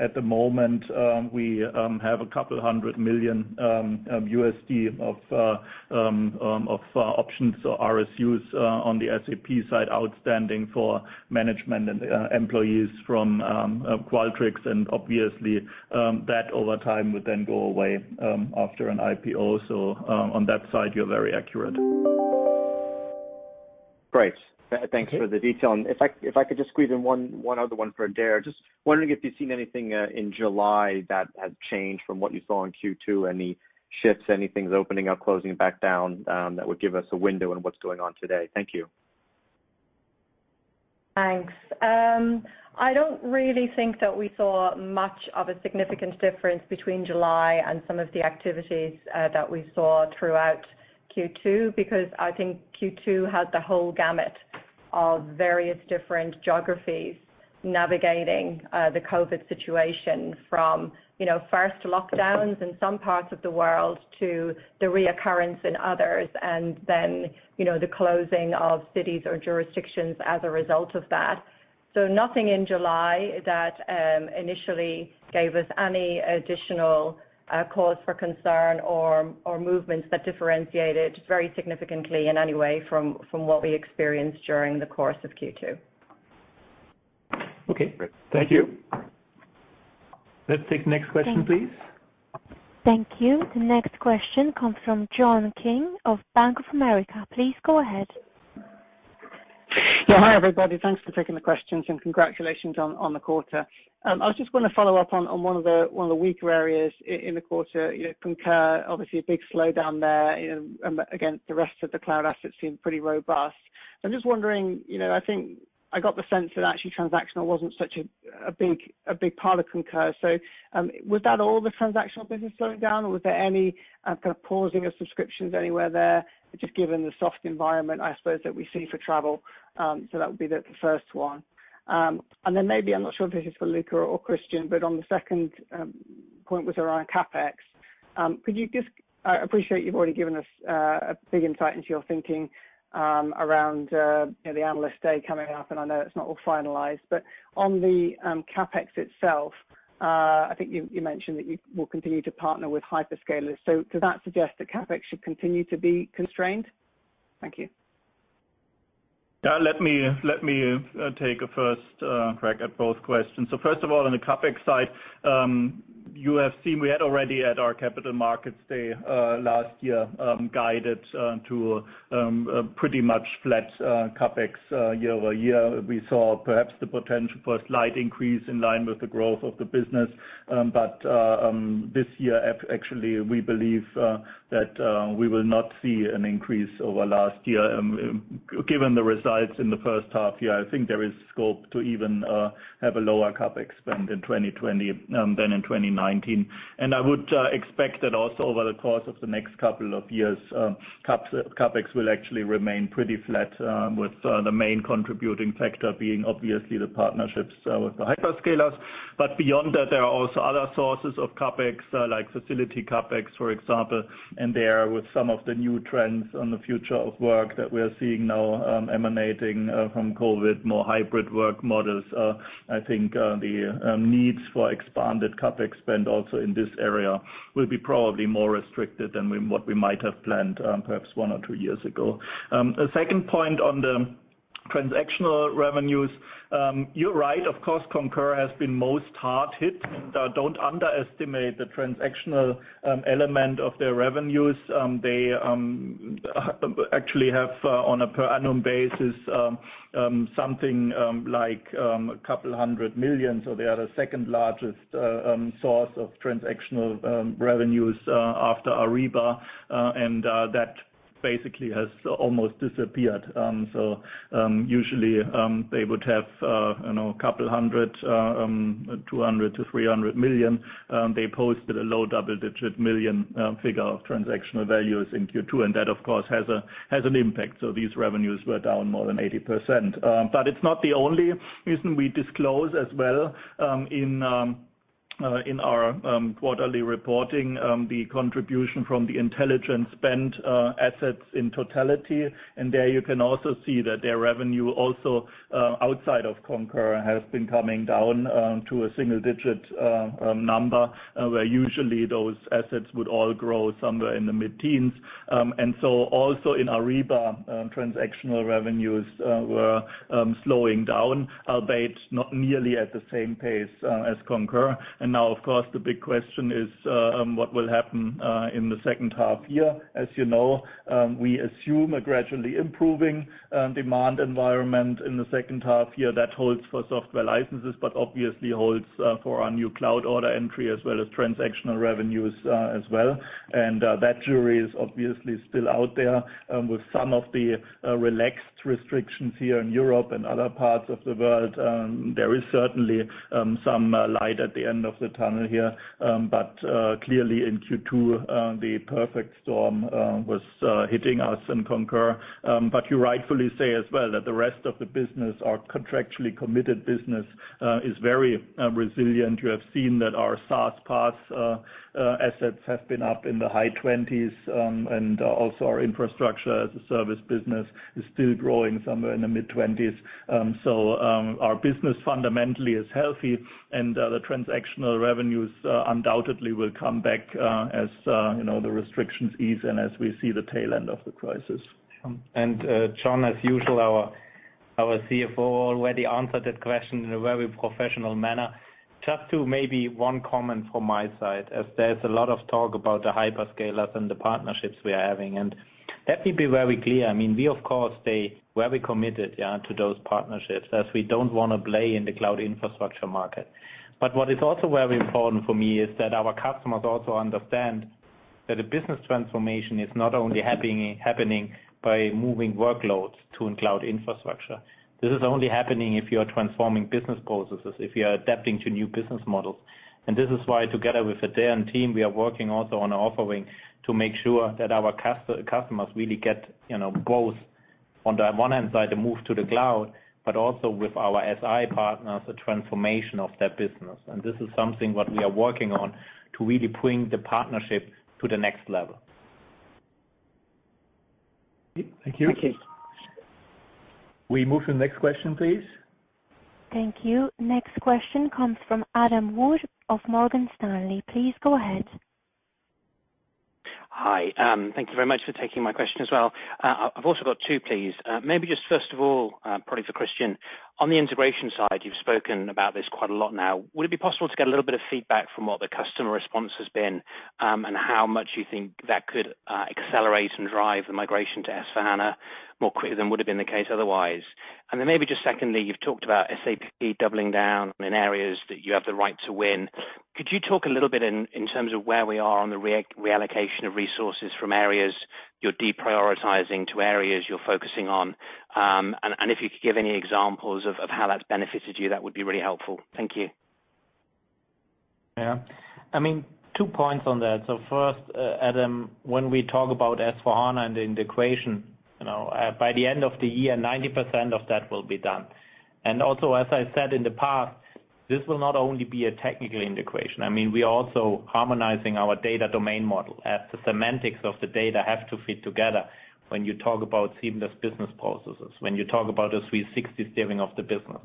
At the moment, we have a couple hundred millions of USD of options or RSUs on the SAP side outstanding for management and employees from Qualtrics, and obviously, that over time would then go away after an IPO. On that side, you're very accurate. Great. Thanks for the detail. If I could just squeeze in one other one for Adaire. Just wondering if you've seen anything in July that has changed from what you saw in Q2, any shifts, anything opening up, closing back down, that would give us a window on what's going on today? Thank you. Thanks. I don't really think that we saw much of a significant difference between July and some of the activities that we saw throughout Q2, because I think Q2 had the whole gamut of various different geographies navigating the COVID situation from first lockdowns in some parts of the world, to the reoccurrence in others, and then the closing of cities or jurisdictions as a result of that. Nothing in July that initially gave us any additional cause for concern or movements that differentiated very significantly in any way from what we experienced during the course of Q2. Okay. Thank you. Let's take the next question, please. Thank you. The next question comes from John King of Bank of America. Please go ahead. Yeah. Hi, everybody. Thanks for taking the questions and congratulations on the quarter. I was just going to follow up on one of the weaker areas in the quarter, Concur, obviously a big slowdown there. Again, the rest of the cloud assets seem pretty robust. I'm just wondering, I think I got the sense that actually transactional wasn't such a big part of Concur. Was that all the transactional business slowing down? Or was there any kind of pausing of subscriptions anywhere there? Just given the soft environment, I suppose, that we see for travel. That would be the first one. Maybe, I'm not sure if this is for Luka or Christian, but on the second point was around CapEx. I appreciate you've already given us a big insight into your thinking around the Analyst Day coming up, and I know it's not all finalized. On the CapEx itself, I think you mentioned that you will continue to partner with hyperscalers. Does that suggest that CapEx should continue to be constrained? Thank you. Let me take a first crack at both questions. First of all, on the CapEx side, you have seen we had already at our Capital Markets Day last year, guided to a pretty much flat CapEx year-over-year. We saw perhaps the potential for a slight increase in line with the growth of the business. This year, actually, we believe that we will not see an increase over last year. Given the results in the first half year, I think there is scope to even have a lower CapEx spend in 2020 than in 2019. I would expect that also over the course of the next couple of years, CapEx will actually remain pretty flat, with the main contributing factor being obviously the partnerships with the hyperscalers. Beyond that, there are also other sources of CapEx, like facility CapEx, for example, and there with some of the new trends on the future of work that we're seeing now emanating from COVID, more hybrid work models. I think the needs for expanded CapEx spend also in this area will be probably more restricted than what we might have planned perhaps one or two years ago. A second point on the transactional revenues. You're right, of course, Concur has been most hard hit. Don't underestimate the transactional element of their revenues. They actually have, on a per annum basis, something like a couple hundred millions. They are the second-largest source of transactional revenues after Ariba, and that basically has almost disappeared. Usually, they would have a couple hundred, 200 million-300 million. They posted a low double-digit million figure of transactional values in Q2. That, of course, has an impact. These revenues were down more than 80%. It's not the only reason we disclose as well in our quarterly reporting, the contribution from the Intelligent spend assets in totality. There you can also see that their revenue also outside of Concur, has been coming down to a single-digit number, where usually those assets would all grow somewhere in the mid-teens. Also in Ariba, transactional revenues were slowing down, albeit not nearly at the same pace as Concur. Now, of course, the big question is what will happen in the second half year. As you know, we assume a gradually improving demand environment in the second half year. That holds for software licenses, but obviously holds for our new cloud order entry as well as transactional revenues as well. That jury is obviously still out there with some of the relaxed restrictions here in Europe and other parts of the world. There is certainly some light at the end of the tunnel here. Clearly in Q2, the perfect storm was hitting us in Concur. You rightfully say as well that the rest of the business, our contractually committed business, is very resilient. You have seen that our SaaS/PaaS assets have been up in the high 20%, and also our Infrastructure as a Service business is still growing somewhere in the mid-20%. Our business fundamentally is healthy and the transactional revenues undoubtedly will come back as the restrictions ease and as we see the tail end of the crisis. John, as usual, our CFO already answered that question in a very professional manner. Just maybe one comment from my side, as there's a lot of talk about the hyperscalers and the partnerships we are having. Let me be very clear, we of course stay very committed to those partnerships as we don't want to play in the cloud infrastructure market. What is also very important for me is that our customers also understand that a business transformation is not only happening by moving workloads to cloud infrastructure. This is only happening if you are transforming business processes, if you are adapting to new business models. This is why, together with the Adaire's team, we are working also on offering to make sure that our customers really get both on the one hand side, the move to the cloud, but also with our SI partners, the transformation of their business. This is something what we are working on to really bring the partnership to the next level. Thank you. Thank you. We move to the next question, please. Thank you. Next question comes from Adam Wood of Morgan Stanley. Please go ahead. Hi. Thank you very much for taking my question as well. I've also got two, please. Maybe just first of all, probably for Christian. On the integration side, you've spoken about this quite a lot now. Would it be possible to get a little bit of feedback from what the customer response has been, and how much you think that could accelerate and drive the migration to S/4HANA more quicker than would have been the case otherwise? Then maybe just secondly, you've talked about SAP doubling down in areas that you have the right to win. Could you talk a little bit in terms of where we are on the reallocation of resources from areas you're deprioritizing to areas you're focusing on? If you could give any examples of how that's benefited you, that would be really helpful. Thank you. Yeah. Two points on that. First, Adam, when we talk about S/4HANA and the integration, by the end of the year, 90% of that will be done. Also, as I said in the past, this will not only be a technical integration. We are also harmonizing our data domain model as the semantics of the data have to fit together when you talk about seamless business processes, when you talk about a 360 steering of the business.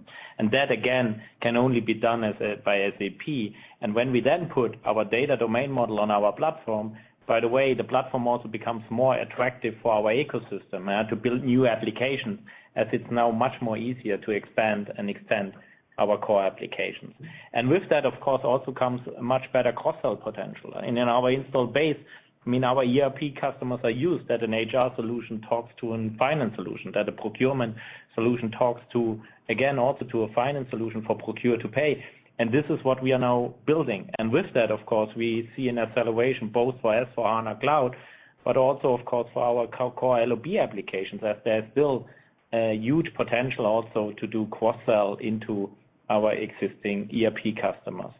That, again, can only be done by SAP. When we then put our data domain model on our platform, by the way, the platform also becomes more attractive for our ecosystem to build new applications as it's now much more easier to expand and extend our core applications. With that, of course, also comes a much better cross-sell potential. In our install base, our ERP customers are used that an HR solution talks to a Finance solution, that a Procurement solution talks to, again, also to a Finance solution for procure-to-pay. This is what we are now building. With that, of course, we see an acceleration both for S/4HANA Cloud, but also, of course, for our core LoB applications, as there's still a huge potential also to do cross-sell into our existing ERP customers.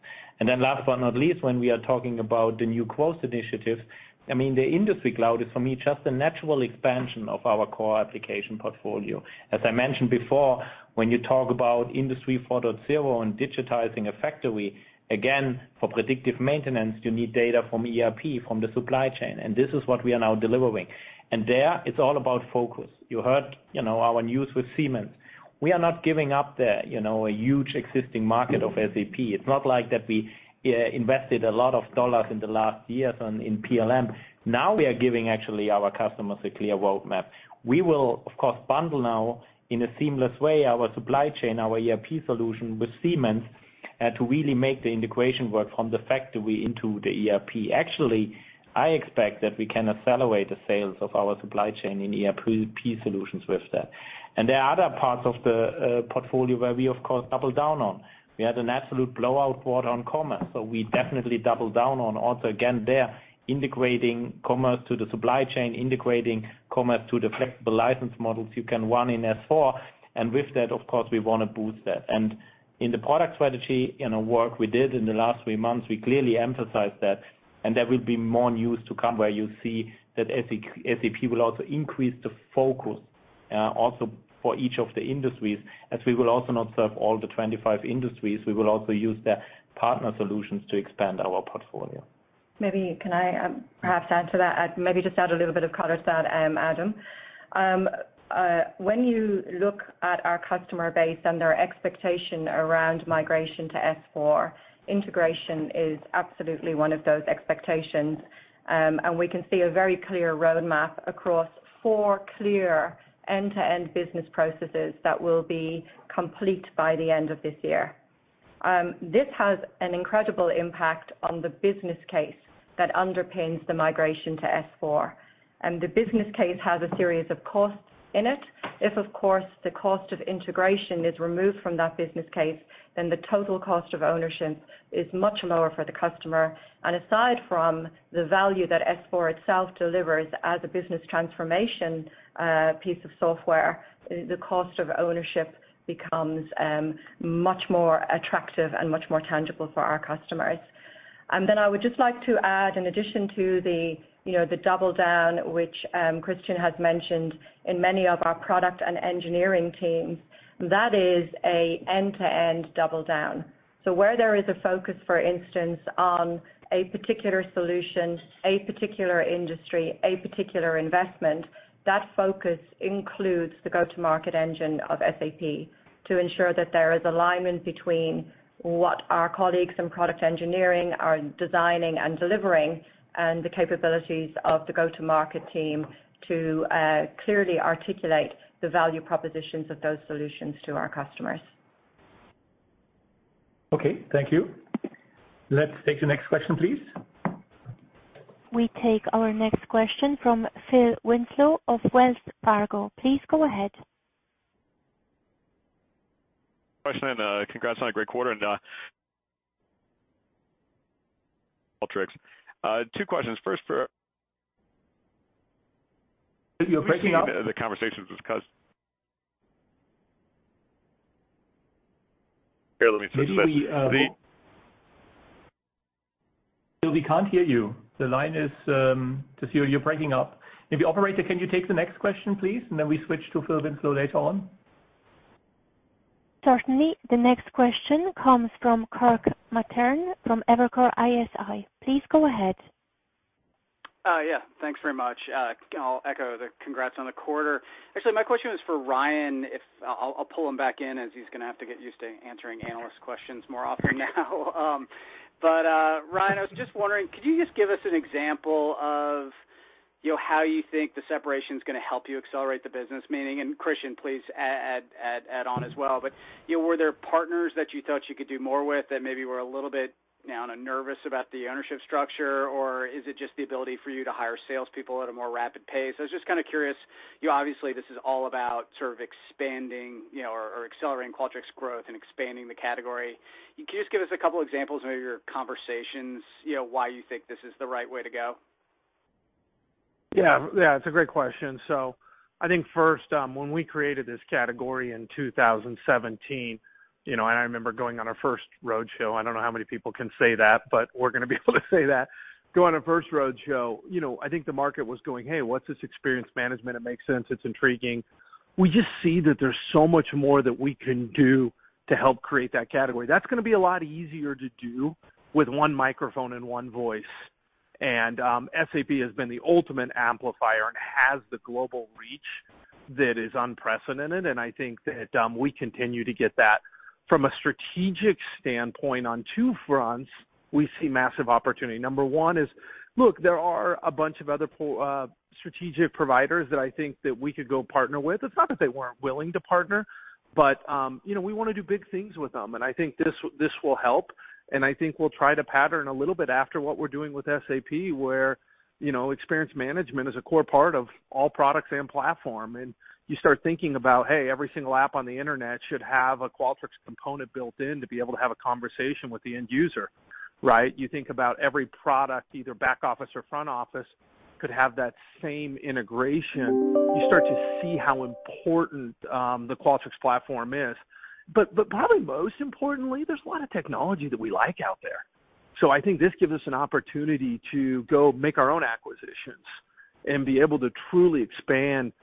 Last but not least, when we are talking about the new cloud initiatives, the Industry Cloud is for me, just a natural expansion of our core application portfolio. As I mentioned before, when you talk about Industry 4.0 and digitizing a factory, again, for predictive maintenance, you need data from ERP, from the Supply Chain, and this is what we are now delivering. There it's all about focus. You heard our news with Siemens. We are not giving up there a huge existing market of SAP. It's not like that we invested a lot of dollars in the last years in PLM. Now we are giving actually our customers a clear roadmap. We will, of course, bundle now in a seamless way our supply chain, our ERP solution with Siemens to really make the integration work from the factory into the ERP. Actually, I expect that we can accelerate the sales of our Supply Chain in ERP solutions with that. There are other parts of the portfolio where we, of course, double down on. We had an absolute blowout quarter on Commerce, so we definitely double down on also, again, there integrating Commerce to the Supply Chain, integrating Commerce to the flexible license models you can run in S/4. With that, of course, we want to boost that. In the product strategy work we did in the last three months, we clearly emphasized that. There will be more news to come where you see that SAP will also increase the focus also for each of the industries. As we will also not serve all the 25 industries, we will also use their partner solutions to expand our portfolio. Maybe can I perhaps add to that? Maybe just add a little bit of color, Adam. When you look at our customer base and their expectation around migration to S/4, integration is absolutely one of those expectations. We can see a very clear roadmap across four clear end-to-end business processes that will be complete by the end of this year. This has an incredible impact on the business case that underpins the migration to S/4. The business case has a series of costs in it. If, of course, the cost of integration is removed from that business case, then the total cost of ownership is much lower for the customer. Aside from the value that S/4 itself delivers as a business transformation piece of software, the cost of ownership becomes much more attractive and much more tangible for our customers. I would just like to add, in addition to the double down, which Christian has mentioned in many of our product and engineering teams, that is a end-to-end double down. Where there is a focus, for instance, on a particular solution, a particular industry, a particular investment, that focus includes the go-to-market engine of SAP to ensure that there is alignment between what our colleagues in product engineering are designing and delivering, and the capabilities of the go-to-market team to clearly articulate the value propositions of those solutions to our customers. Okay, thank you. Let's take the next question, please. We take our next question from Phil Winslow of Wells Fargo. Please go ahead. Question. Congrats on a great quarter and Qualtrics. Two questions. First. You're breaking up the conversations discussed. Phil, we can't hear you. You're breaking up. Maybe operator, can you take the next question, please? We switch to Phil Winslow later on. Certainly. The next question comes from Kirk Materne from Evercore ISI. Please go ahead. Yeah. Thanks very much. I'll echo the congrats on the quarter. Actually, my question was for Ryan. I'll pull him back in as he's going to have to get used to answering analyst questions more often now. Ryan, I was just wondering, could you just give us an example of how you think the separation's going to help you accelerate the business? Christian, please add on as well. Were there partners that you thought you could do more with that maybe were a little bit nervous about the ownership structure, or is it just the ability for you to hire salespeople at a more rapid pace? I was just curious. Obviously, this is all about sort of expanding or accelerating Qualtrics' growth and expanding the category. Can you just give us a couple examples of your conversations, why you think this is the right way to go? Yeah. It's a great question. I think first, when we created this category in 2017, and I remember going on our first road show. I don't know how many people can say that, but we're going to be able to say that. Going on our first road show, I think the market was going, hey, what's this experience management? It makes sense. It's intriguing. We just see that there's so much more that we can do to help create that category. That's going to be a lot easier to do with one microphone and one voice. SAP has been the ultimate amplifier and has the global reach that is unprecedented, and I think that we continue to get that. From a strategic standpoint on two fronts, we see massive opportunity. Number one is, look, there are a bunch of other strategic providers that I think that we could go partner with. It's not that they weren't willing to partner, but we want to do big things with them. I think this will help, and I think we'll try to pattern a little bit after what we're doing with SAP, where Experience Management is a core part of all products and platform. You start thinking about, hey, every single app on the internet should have a Qualtrics component built in to be able to have a conversation with the end user. Right? You think about every product, either back office or front office, could have that same integration. You start to see how important the Qualtrics platform is. Probably most importantly, there's a lot of technology that we like out there. I think this gives us an opportunity to go make our own acquisitions and be able to truly expand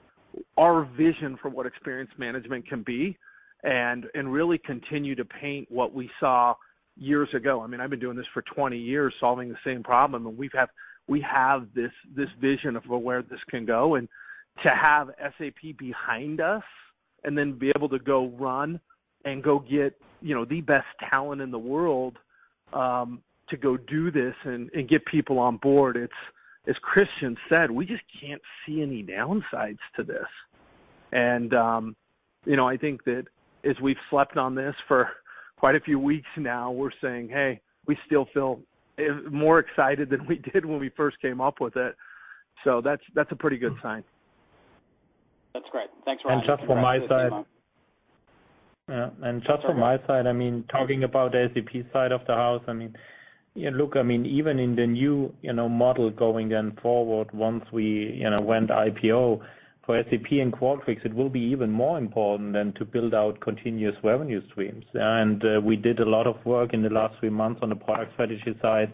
our vision for what Experience Management can be and really continue to paint what we saw years ago. I've been doing this for 20 years, solving the same problem, and we have this vision of where this can go. To have SAP behind us and then be able to go run and go get the best talent in the world to go do this and get people on board, as Christian said, we just can't see any downsides to this. I think that as we've slept on this for quite a few weeks now, we're saying, hey, we still feel more excited than we did when we first came up with it. That's a pretty good sign. That's great. Thanks, Ryan. Just from my side. Sure. Yeah. Just from my side, talking about the SAP side of the house. Look, even in the new model going then forward, once we went IPO for SAP and Qualtrics, it will be even more important than to build out continuous revenue streams. We did a lot of work in the last three months on the product strategy side.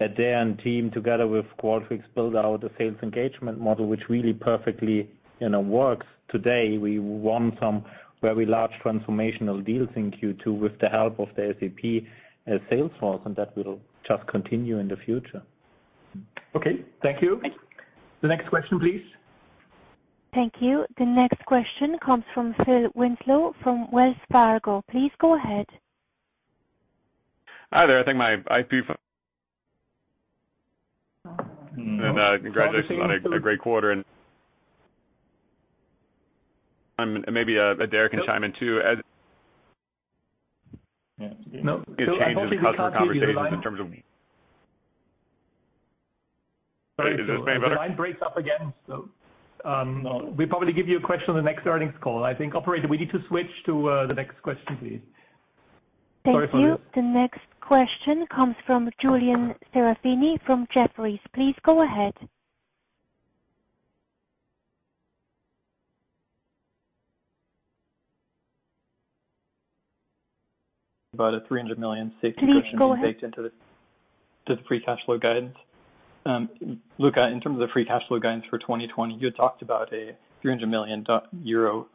Adaire's team, together with Qualtrics, built out a sales engagement model, which really perfectly works today. We won some very large transformational deals in Q2 with the help of the SAP sales force, and that will just continue in the future. Okay. Thank you. Thank you. The next question, please. Thank you. The next question comes from Phil Winslow from Wells Fargo. Please go ahead. Hi there. I think my IP. No. Congratulations on a great quarter, and maybe Adaire can chime in, too. Yeah. No, Phil, we can't hear you. changes in customer conversations in terms of me. Sorry, Is this any better? The line breaks up again. We'll probably give you a question on the next earnings call, I think. Operator, we need to switch to the next question, please. Thank you. Sorry, Phil. The next question comes from Julian Serafini from Jefferies. Please go ahead. About the 300 million safety cushion being baked into the free cash flow guidance. Luka, in terms of the free cash flow guidance for 2020, you had talked about a 300 million euro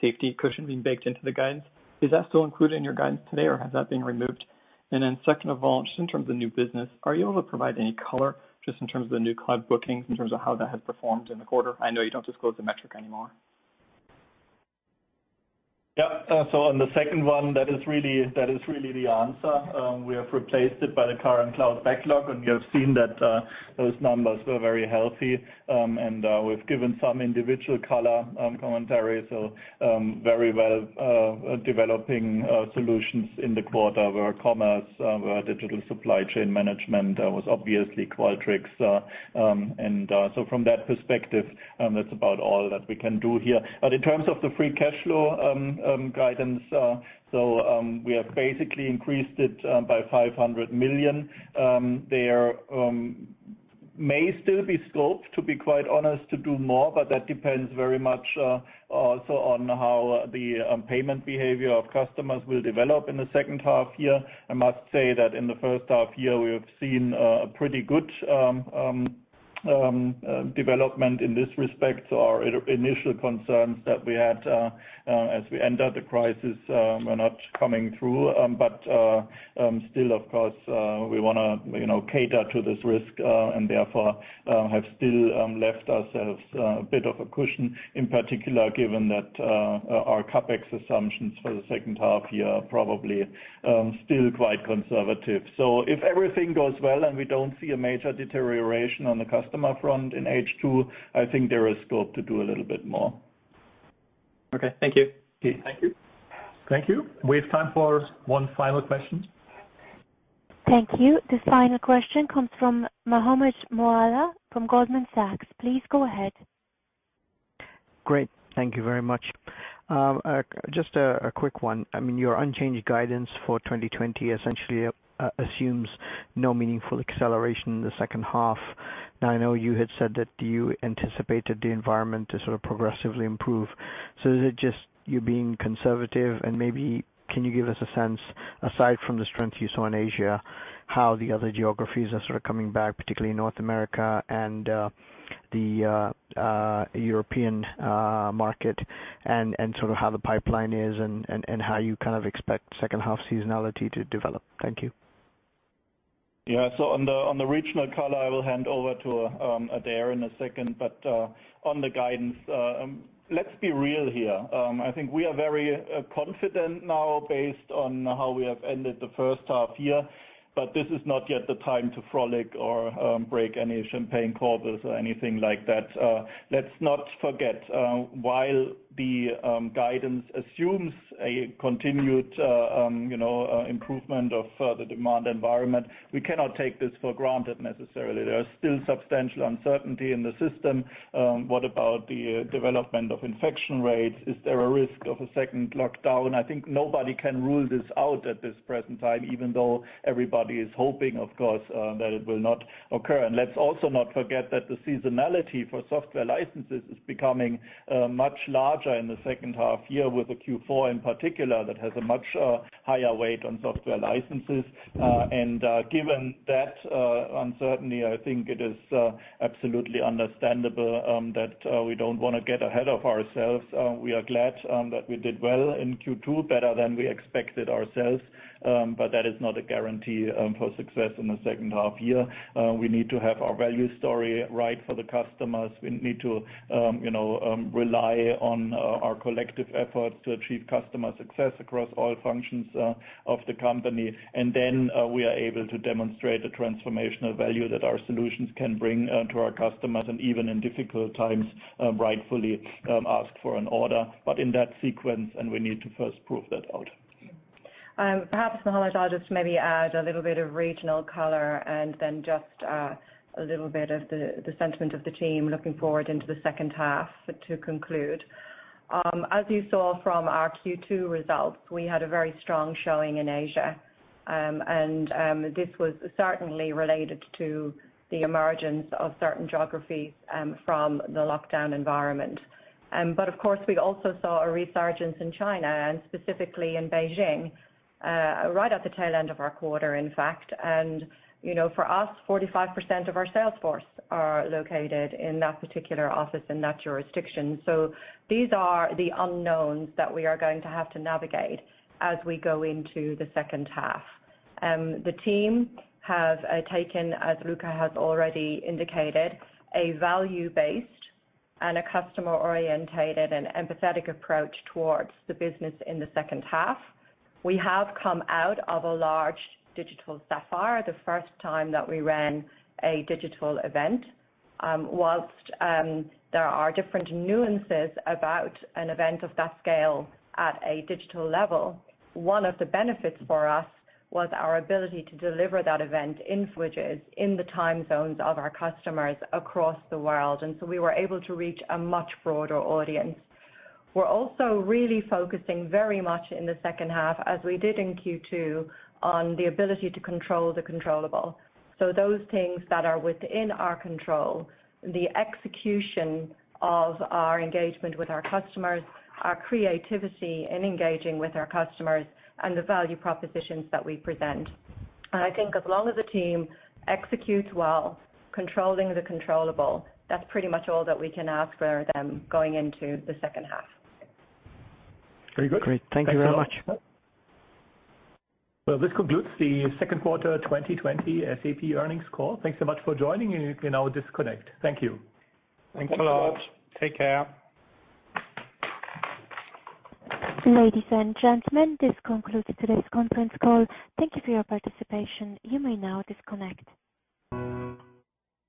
safety cushion being baked into the guidance. Is that still included in your guidance today, or has that been removed? Second of all, just in terms of new business, are you able to provide any color just in terms of the new cloud bookings, in terms of how that has performed in the quarter? I know you don't disclose the metric anymore. Yeah. On the second one, that is really the answer. We have replaced it by the current cloud backlog, and you have seen that those numbers were very healthy. We've given some individual color commentary, so very well developing solutions in the quarter were Commerce, were Digital Supply Chain Management. There was obviously Qualtrics. From that perspective, that's about all that we can do here. In terms of the free cash flow guidance, so we have basically increased it by 500 million. There may still be scope, to be quite honest, to do more, but that depends very much also on how the payment behavior of customers will develop in the second half year. I must say that in the first half year, we have seen a pretty good development in this respect. Our initial concerns that we had as we ended the crisis are not coming through. Still, of course, we want to cater to this risk, and therefore have still left ourselves a bit of a cushion, in particular, given that our CapEx assumptions for the second half year are probably still quite conservative. If everything goes well and we don't see a major deterioration on the customer front in H2, I think there is scope to do a little bit more. Okay. Thank you. Okay. Thank you. Thank you. We have time for one final question. Thank you. This final question comes from Mohammed Moawalla from Goldman Sachs. Please go ahead. Great. Thank you very much. Just a quick one. Your unchanged guidance for 2020 essentially assumes no meaningful acceleration in the second half. I know you had said that you anticipated the environment to sort of progressively improve. Is it just you being conservative? Maybe can you give us a sense, aside from the strength you saw in Asia, how the other geographies are sort of coming back, particularly North America and the European market, and sort of how the pipeline is, and how you kind of expect second half seasonality to develop? Thank you. Yeah. On the regional color, I will hand over to Adaire in a second. On the guidance, let's be real here. I think we are very confident now based on how we have ended the first half year, but this is not yet the time to frolic or break any champagne corks or anything like that. Let's not forget while the guidance assumes a continued improvement of the demand environment, we cannot take this for granted necessarily. There are still substantial uncertainty in the system. What about the development of infection rates? Is there a risk of a second lockdown? I think nobody can rule this out at this present time, even though everybody is hoping, of course, that it will not occur. Let's also not forget that the seasonality for software licenses is becoming much larger in the second half year with the Q4 in particular, that has a much higher weight on software licenses. Given that uncertainty, I think it is absolutely understandable that we don't want to get ahead of ourselves. We are glad that we did well in Q2, better than we expected ourselves, but that is not a guarantee for success in the second half year. We need to have our value story right for the customers. We need to rely on our collective efforts to achieve customer success across all functions of the company. Then we are able to demonstrate the transformational value that our solutions can bring to our customers, and even in difficult times, rightfully ask for an order, but in that sequence, and we need to first prove that out. Perhaps, Mohammed, I'll just maybe add a little bit of regional color and then just a little bit of the sentiment of the team looking forward into the second half to conclude. As you saw from our Q2 results, we had a very strong showing in Asia. This was certainly related to the emergence of certain geographies from the lockdown environment. Of course, we also saw a resurgence in China, and specifically in Beijing, right at the tail end of our quarter, in fact. For us, 45% of our sales force are located in that particular office, in that jurisdiction. These are the unknowns that we are going to have to navigate as we go into the second half. The team have taken, as Luka has already indicated, a value-based and a customer orientated and empathetic approach towards the business in the second half. We have come out of a large digital SAPPHIRE, the first time that we ran a digital event. While there are different nuances about an event of that scale at a digital level, one of the benefits for us was our ability to deliver that event in the time zones of our customers across the world. We were able to reach a much broader audience. We're also really focusing very much in the second half, as we did in Q2, on the ability to control the controllable. Those things that are within our control, the execution of our engagement with our customers, our creativity in engaging with our customers, and the value propositions that we present. I think as long as the team executes well, controlling the controllable, that's pretty much all that we can ask for them going into the second half. Very good. Great. Thank you very much. Well, this concludes the second quarter 2020 SAP earnings call. Thanks so much for joining, and you can now disconnect. Thank you. Thanks a lot. Take care. Ladies and gentlemen, this concludes today's conference call. Thank you for your participation. You may now disconnect.